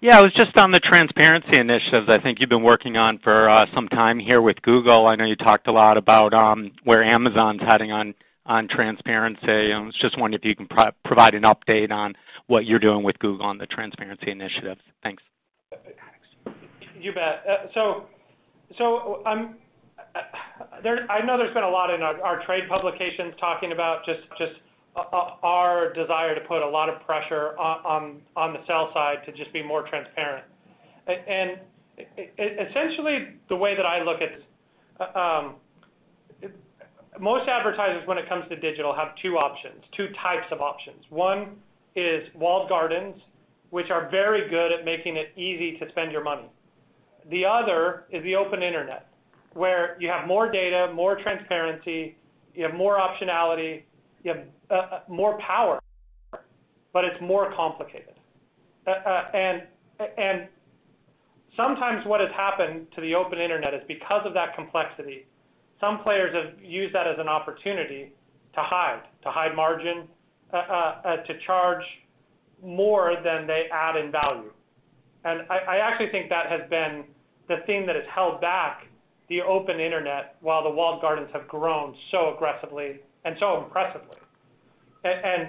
Yeah. It was just on the transparency initiatives I think you've been working on for some time here with Google. I know you talked a lot about where Amazon's heading on transparency, and was just wondering if you can provide an update on what you're doing with Google on the transparency initiatives. Thanks. You bet. I know there's been a lot in our trade publications talking about just our desire to put a lot of pressure on the sell side to just be more transparent. Essentially, the way that I look at it, most advertisers, when it comes to digital, have two options, two types of options. One is walled gardens, which are very good at making it easy to spend your money. The other is the open internet, where you have more data, more transparency, you have more optionality, you have more power, but it's more complicated. Sometimes what has happened to the open internet is because of that complexity, some players have used that as an opportunity to hide, to hide margin, to charge more than they add in value. I actually think that has been the thing that has held back the open internet while the walled gardens have grown so aggressively and so impressively. I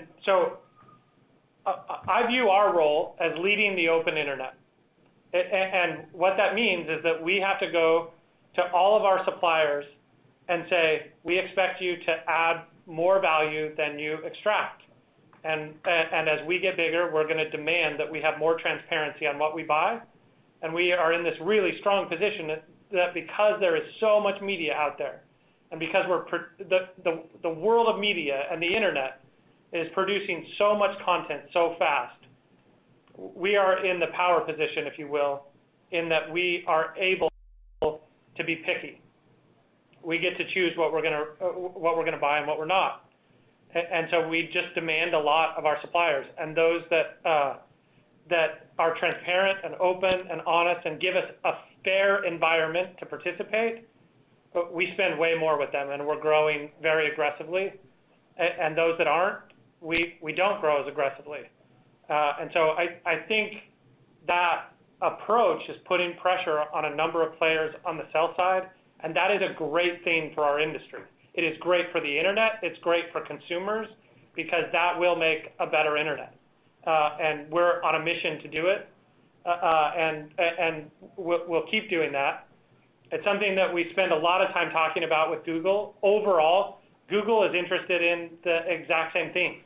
view our role as leading the open internet. What that means is that we have to go to all of our suppliers and say, "We expect you to add more value than you extract." As we get bigger, we're going to demand that we have more transparency on what we buy. We are in this really strong position that because there is so much media out there, and because the world of media and the internet is producing so much content so fast, we are in the power position, if you will, in that we are able to be picky. We get to choose what we're going to buy and what we're not. We just demand a lot of our suppliers. Those that are transparent and open and honest and give us a fair environment to participate, we spend way more with them, and we're growing very aggressively. Those that aren't, we don't grow as aggressively. I think that approach is putting pressure on a number of players on the sell side, and that is a great thing for our industry. It is great for the internet. It's great for consumers because that will make a better internet. We're on a mission to do it. We'll keep doing that. It's something that we spend a lot of time talking about with Google. Overall, Google is interested in the exact same thing.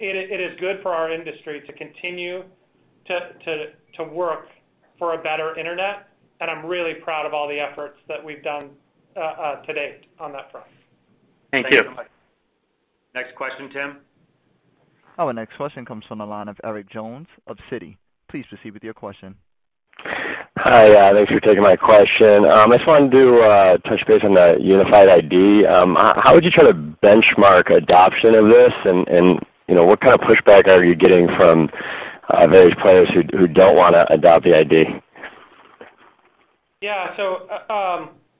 It is good for our industry to continue to work for a better internet, and I'm really proud of all the efforts that we've done to date on that front. Thank you. Thank you. Next question, Tim? Our next question comes from the line of Nick Jones of Citi. Please proceed with your question. Hi. Thanks for taking my question. I just wanted to touch base on the Unified ID. How would you try to benchmark adoption of this, and what kind of pushback are you getting from various players who don't want to adopt the ID? Yeah.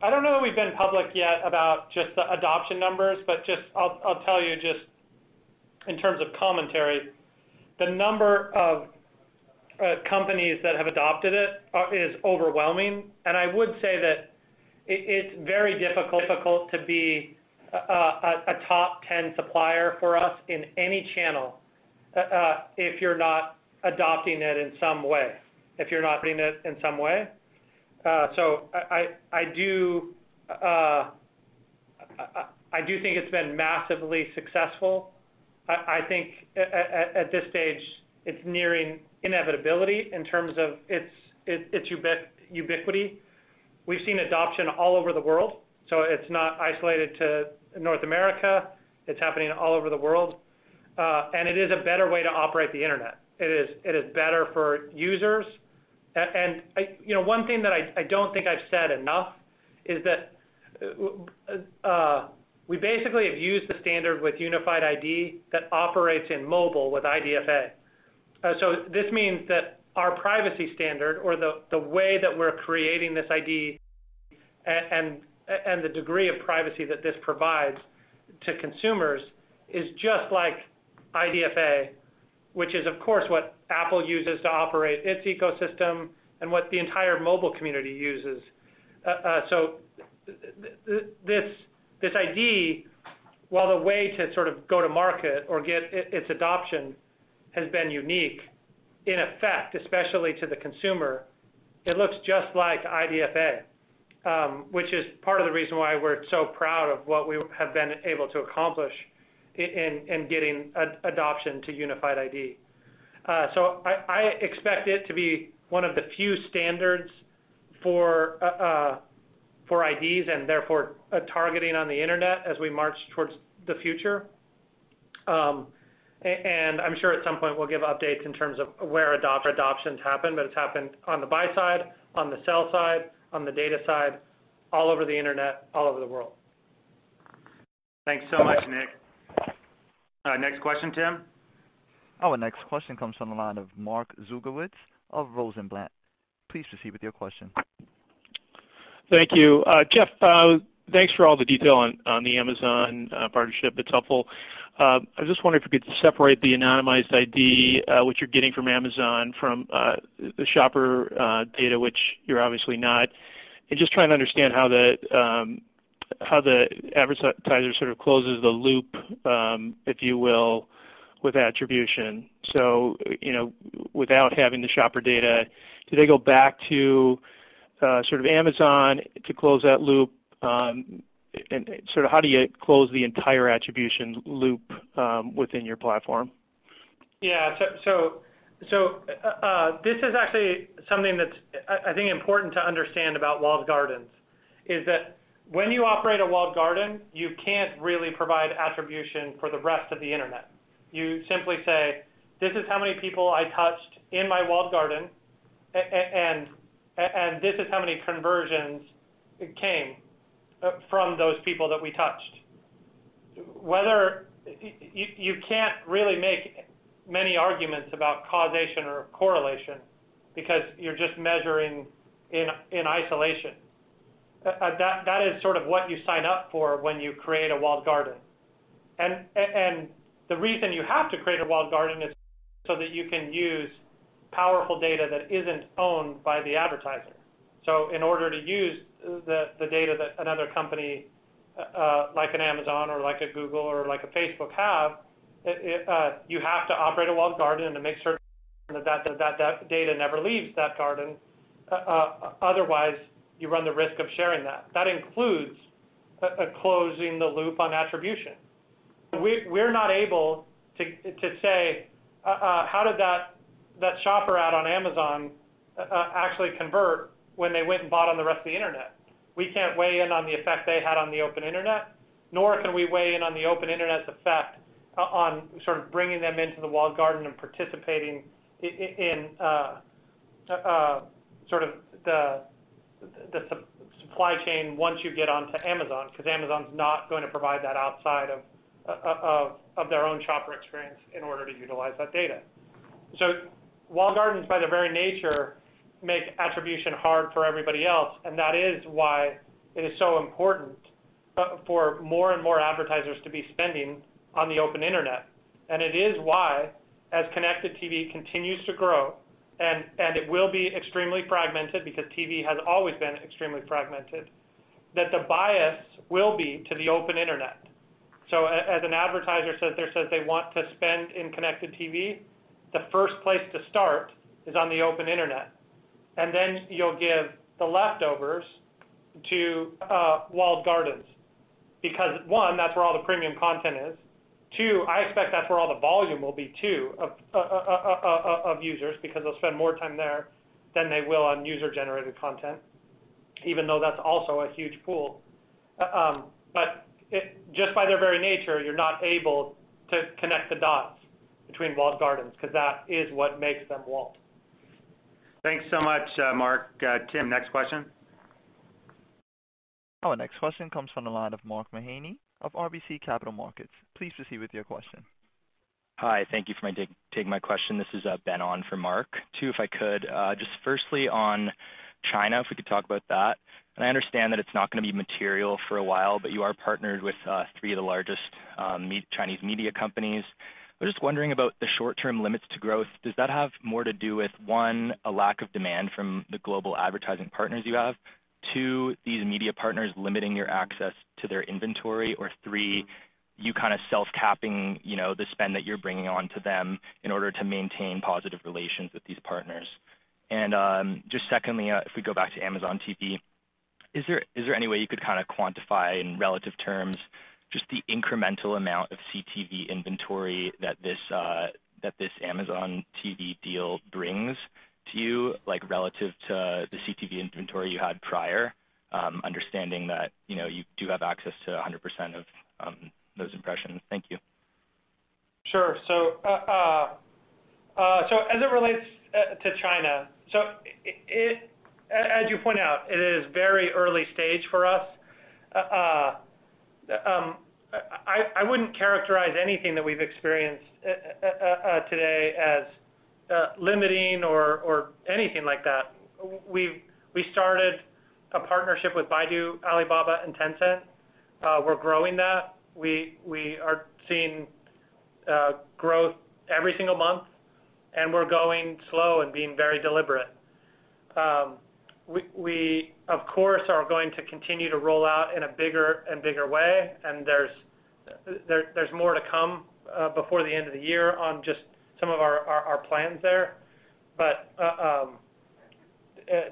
I don't know that we've been public yet about just the adoption numbers, but I'll tell you just in terms of commentary, the number of companies that have adopted it is overwhelming. I would say that it's very difficult to be a top 10 supplier for us in any channel if you're not adopting it in some way. I do think it's been massively successful. I think at this stage it's nearing inevitability in terms of its ubiquity. We've seen adoption all over the world, so it's not isolated to North America. It's happening all over the world. It is a better way to operate the internet. It is better for users. One thing that I don't think I've said enough is that we basically have used the standard with Unified ID that operates in mobile with IDFA. This means that our privacy standard or the way that we're creating this ID and the degree of privacy that this provides to consumers is just like IDFA, which is, of course, what Apple uses to operate its ecosystem and what the entire mobile community uses. This ID, while the way to sort of go to market or get its adoption has been unique, in effect, especially to the consumer, it looks just like IDFA, which is part of the reason why we're so proud of what we have been able to accomplish in getting adoption to Unified ID. I expect it to be one of the few standards for IDs and therefore targeting on the internet as we march towards the future. I'm sure at some point we'll give updates in terms of where adoptions happen, but it's happened on the buy side, on the sell side, on the data side, all over the internet, all over the world. Thanks so much, Nick. Next question, Tim? Our next question comes from the line of Mark Zgutowicz of Rosenblatt. Please proceed with your question. Thank you. Jeff, thanks for all the detail on the Amazon partnership. It's helpful. I was just wondering if you could separate the anonymized ID, which you're getting from Amazon, from the shopper data, which you're obviously not. I'm just trying to understand how the advertiser sort of closes the loop, if you will, with attribution. Without having the shopper data, do they go back to Amazon to close that loop? How do you close the entire attribution loop within your platform? Yeah. This is actually something that's, I think, important to understand about walled gardens is that when you operate a walled garden, you can't really provide attribution for the rest of the internet. You simply say, "This is how many people I touched in my walled garden, and this is how many conversions came from those people that we touched." You can't really make many arguments about causation or correlation because you're just measuring in isolation. That is sort of what you sign up for when you create a walled garden. The reason you have to create a walled garden is so that you can use powerful data that isn't owned by the advertiser. In order to use the data that another company like an Amazon or like a Google or like a Facebook have, you have to operate a walled garden and to make certain that data never leaves that garden. Otherwise, you run the risk of sharing that. That includes closing the loop on attribution. We're not able to say how did that shopper ad on Amazon actually convert when they went and bought on the rest of the internet. We can't weigh in on the effect they had on the open internet, nor can we weigh in on the open internet's effect on sort of bringing them into the walled garden and participating in sort of the supply chain once you get onto Amazon, because Amazon's not going to provide that outside of their own shopper experience in order to utilize that data. Walled gardens, by their very nature, make attribution hard for everybody else, and that is why it is so important for more and more advertisers to be spending on the open internet. It is why, as connected TV continues to grow, and it will be extremely fragmented because TV has always been extremely fragmented, that the bias will be to the open internet. As an advertiser sits there, says they want to spend in connected TV, the first place to start is on the open internet. Then you'll give the leftovers to walled gardens because, one, that's where all the premium content is. Two, I expect that's where all the volume will be too of users because they'll spend more time there than they will on user-generated content, even though that's also a huge pool. Just by their very nature, you're not able to connect the dots between walled gardens because that is what makes them walled. Thanks so much, Mark. Tim, next question. Our next question comes from the line of Mark Mahaney of RBC Capital Markets. Please proceed with your question. Hi. Thank you for taking my question. This is Benjamin Wheeler for Mark. Two, if I could, just firstly on China, if we could talk about that. I understand that it's not going to be material for a while, but you are partnered with three of the largest Chinese media companies. I'm just wondering about the short-term limits to growth. Does that have more to do with, one, a lack of demand from the global advertising partners you have? Two, these media partners limiting your access to their inventory, or three, you kind of self-capping the spend that you're bringing onto them in order to maintain positive relations with these partners? Just secondly, if we go back to Amazon TV, is there any way you could kind of quantify in relative terms just the incremental amount of CTV inventory that this Amazon TV deal brings to you, like relative to the CTV inventory you had prior? Understanding that you do have access to 100% of those impressions. Thank you. Sure. As it relates to China, as you point out, it is very early stage for us. I wouldn't characterize anything that we've experienced today as limiting or anything like that. We started a partnership with Baidu, Alibaba, and Tencent. We're growing that. We are seeing growth every single month, and we're going slow and being very deliberate. We, of course, are going to continue to roll out in a bigger and bigger way, and there's more to come before the end of the year on just some of our plans there.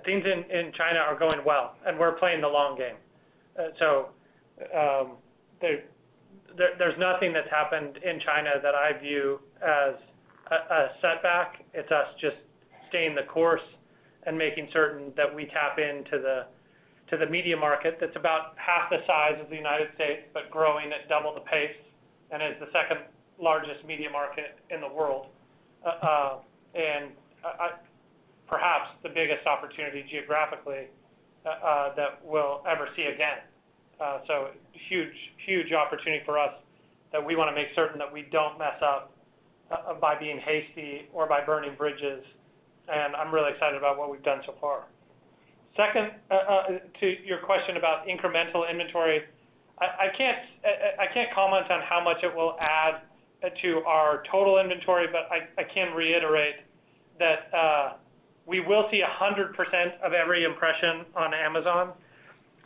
Things in China are going well, and we're playing the long game. There's nothing that's happened in China that I view as a setback. It's us just staying the course and making certain that we tap into the media market that's about half the size of the United States, but growing at double the pace, and is the second-largest media market in the world. Perhaps the biggest opportunity geographically that we'll ever see again. Huge opportunity for us that we want to make certain that we don't mess up by being hasty or by burning bridges, and I'm really excited about what we've done so far. Second, to your question about incremental inventory. I can't comment on how much it will add to our total inventory, but I can reiterate that we will see 100% of every impression on Amazon.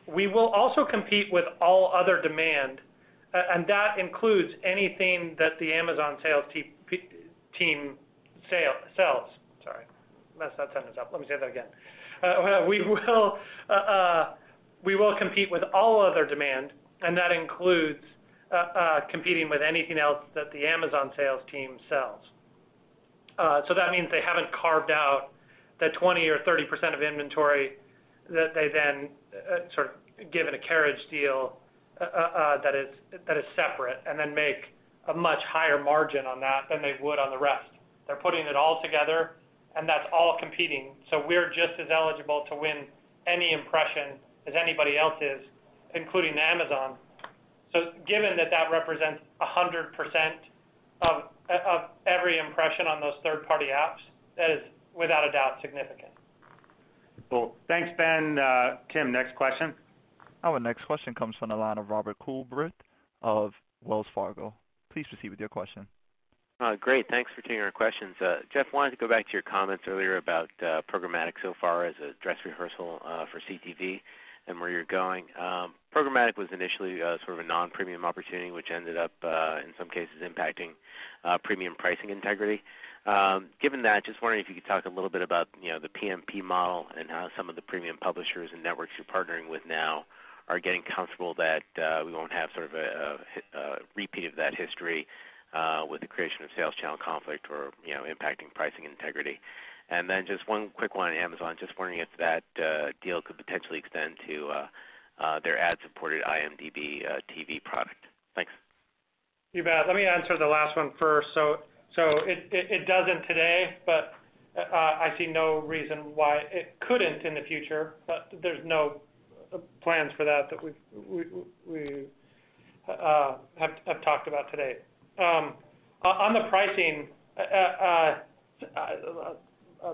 We will also compete with all other demand, and that includes anything that the Amazon sales team sells. Sorry, messed that sentence up. Let me say that again. We will compete with all other demand, and that includes competing with anything else that the Amazon sales team sells. That means they haven't carved out the 20% or 30% of inventory that they then sort of give it a carriage deal that is separate, and then make a much higher margin on that than they would on the rest. They're putting it all together, and that's all competing. We're just as eligible to win any impression as anybody else is, including Amazon. Given that that represents 100% of every impression on those third-party apps, that is without a doubt significant. Cool. Thanks, Ben. Tim, next question. Our next question comes from the line of Robert Coolbrith of Wells Fargo. Please proceed with your question. Great. Thanks for taking our questions. Jeff, wanted to go back to your comments earlier about programmatic so far as a dress rehearsal for CTV and where you're going. Programmatic was initially sort of a non-premium opportunity, which ended up, in some cases, impacting premium pricing integrity. Given that, just wondering if you could talk a little bit about the PMP model and how some of the premium publishers and networks you're partnering with now are getting comfortable that we won't have sort of a repeat of that history with the creation of sales channel conflict or impacting pricing integrity. Then just one quick one on Amazon, just wondering if that deal could potentially extend to their ad-supported IMDb TV product. Thanks. You bet. Let me answer the last one first. It doesn't today, but I see no reason why it couldn't in the future. There's no plans for that that we have talked about today. On the pricing, I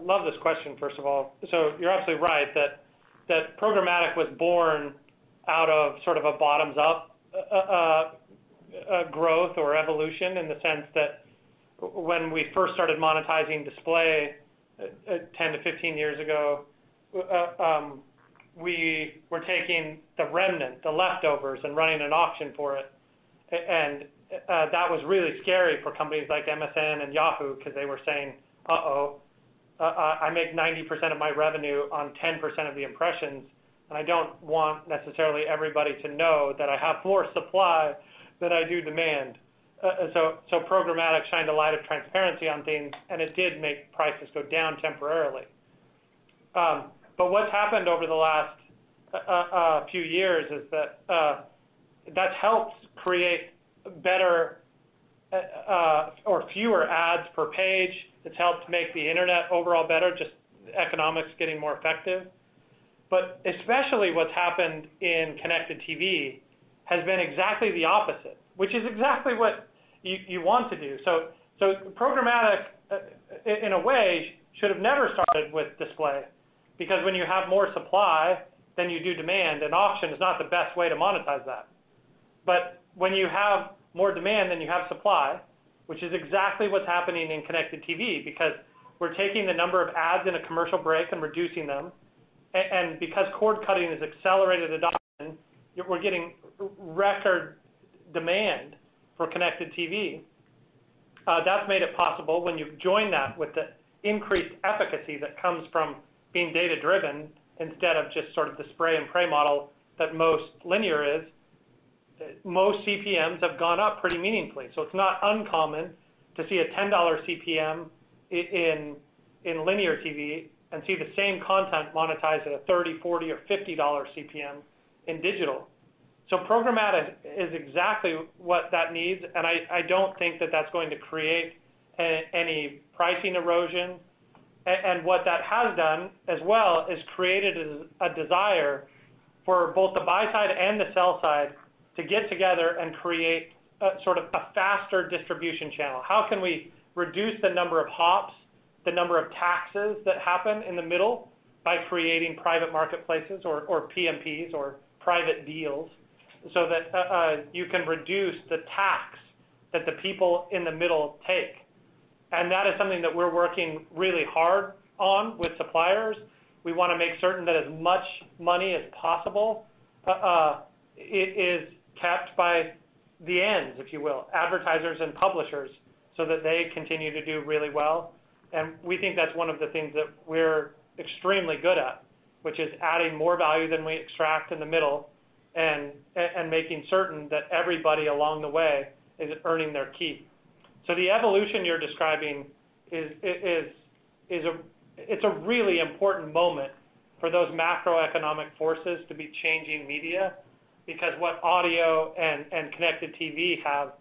love this question, first of all. You're absolutely right, that programmatic was born out of sort of a bottoms-up growth or evolution in the sense that when we first started monetizing display 10 to 15 years ago, we were taking the remnant, the leftovers, and running an auction for it. That was really scary for companies like MSN and Yahoo, because they were saying, "Uh-oh, I make 90% of my revenue on 10% of the impressions, and I don't want necessarily everybody to know that I have more supply than I do demand." programmatic shined a light of transparency on things, and it did make prices go down temporarily. What's happened over the last few years is that that's helped create better or fewer ads per page. It's helped make the internet overall better, just economics getting more effective. especially what's happened in connected TV has been exactly the opposite, which is exactly what you want to do. programmatic, in a way, should have never started with display, because when you have more supply than you do demand, an auction is not the best way to monetize that. When you have more demand than you have supply, which is exactly what's happening in connected TV, because we're taking the number of ads in a commercial break and reducing them. Because cord cutting has accelerated adoption, we're getting record demand for connected TV. That's made it possible when you join that with the increased efficacy that comes from being data-driven instead of just sort of the spray and pray model that most linear is. Most CPMs have gone up pretty meaningfully. It's not uncommon to see a $10 CPM in linear TV and see the same content monetized at a $30, $40, or $50 CPM in digital. Programmatic is exactly what that needs, and I don't think that that's going to create any pricing erosion. What that has done as well is created a desire for both the buy side and the sell side to get together and create sort of a faster distribution channel. How can we reduce the number of hops, the number of taxes that happen in the middle by creating private marketplaces or PMPs or private deals, so that you can reduce the tax that the people in the middle take? That is something that we're working really hard on with suppliers. We want to make certain that as much money as possible, is kept by the ends, if you will, advertisers and publishers, so that they continue to do really well. We think that's one of the things that we're extremely good at, which is adding more value than we extract in the middle and making certain that everybody along the way is earning their keep. The evolution you're describing, it's a really important moment for those macroeconomic forces to be changing media, because what audio and Connected TV have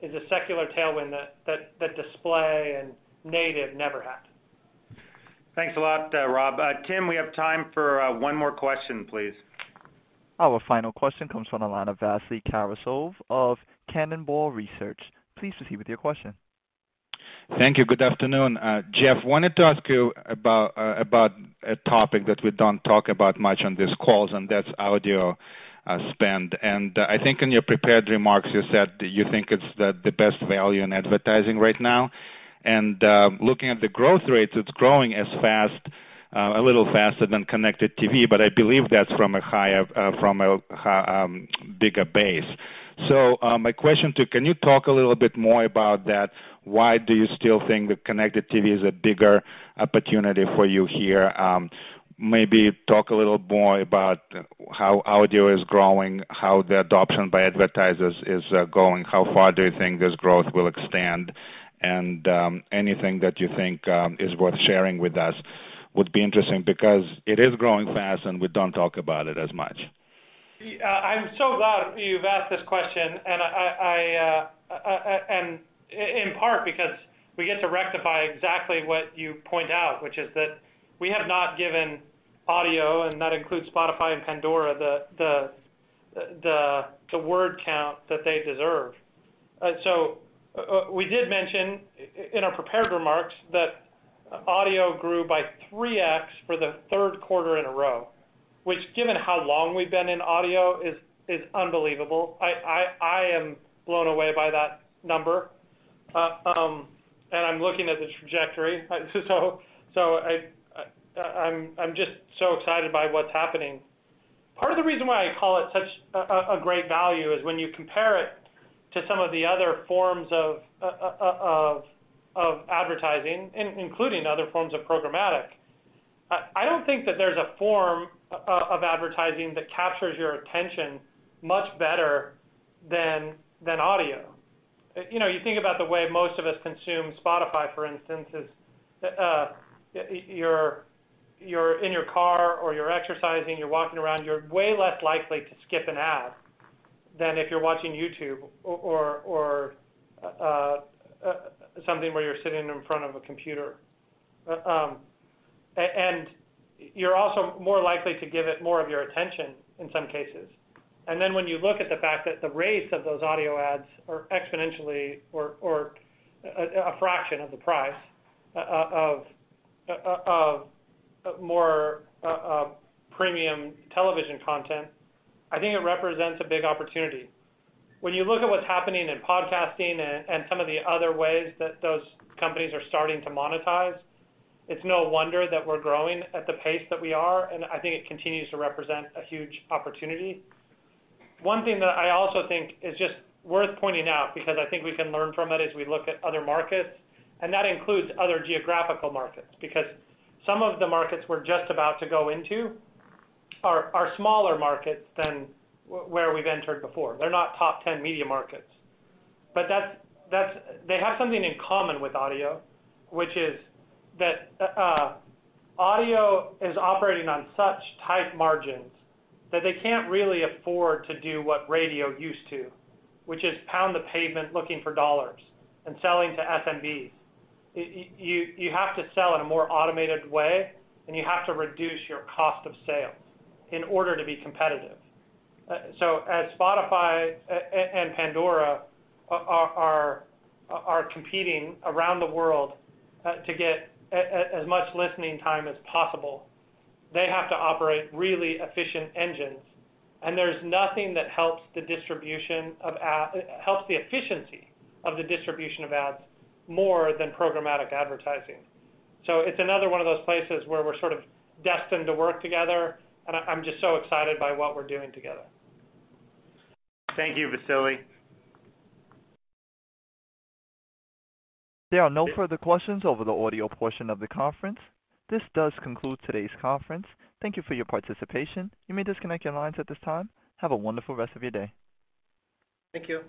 is a secular tailwind that display and native never had. Thanks a lot, Rob. Tim, we have time for one more question, please. Our final question comes from the line of Vasily Karasyov of Cannonball Research. Please proceed with your question. Thank you. Good afternoon. Jeff, I wanted to ask you about a topic that we don't talk about much on these calls. That's audio spend. I think in your prepared remarks, you said that you think it's the best value in advertising right now. Looking at the growth rates, it's growing a little faster than connected TV. I believe that's from a bigger base. My question to you, can you talk a little bit more about that? Why do you still think that connected TV is a bigger opportunity for you here? Maybe talk a little more about how audio is growing, how the adoption by advertisers is going. How far do you think this growth will extend? Anything that you think is worth sharing with us would be interesting because it is growing fast, and we don't talk about it as much. I'm so glad you've asked this question, in part because we get to rectify exactly what you point out, which is that we have not given audio, and that includes Spotify and Pandora, the word count that they deserve. We did mention in our prepared remarks that audio grew by 3x for the third quarter in a row, which given how long we've been in audio, is unbelievable. I am blown away by that number. I'm looking at the trajectory. I'm just so excited by what's happening. Part of the reason why I call it such a great value is when you compare it to some of the other forms of advertising, including other forms of programmatic, I don't think that there's a form of advertising that captures your attention much better than audio. You think about the way most of us consume Spotify, for instance, is you're in your car or you're exercising, you're walking around, you're way less likely to skip an ad than if you're watching YouTube or something where you're sitting in front of a computer. You're also more likely to give it more of your attention in some cases. When you look at the fact that the rates of those audio ads are exponentially or a fraction of the price of more premium television content, I think it represents a big opportunity. When you look at what's happening in podcasting and some of the other ways that those companies are starting to monetize, it's no wonder that we're growing at the pace that we are, and I think it continues to represent a huge opportunity. One thing that I also think is just worth pointing out, because I think we can learn from it as we look at other markets, and that includes other geographical markets. Because some of the markets we're just about to go into are smaller markets than where we've entered before. They're not top 10 media markets. They have something in common with audio, which is that audio is operating on such tight margins that they can't really afford to do what radio used to, which is pound the pavement looking for dollars and selling to SMBs. You have to sell in a more automated way, and you have to reduce your cost of sales in order to be competitive. As Spotify and Pandora are competing around the world to get as much listening time as possible, they have to operate really efficient engines, and there's nothing that helps the efficiency of the distribution of ads more than programmatic advertising. It's another one of those places where we're sort of destined to work together, and I'm just so excited by what we're doing together. Thank you, Vasily. There are no further questions over the audio portion of the conference. This does conclude today's conference. Thank you for your participation. You may disconnect your lines at this time. Have a wonderful rest of your day. Thank you.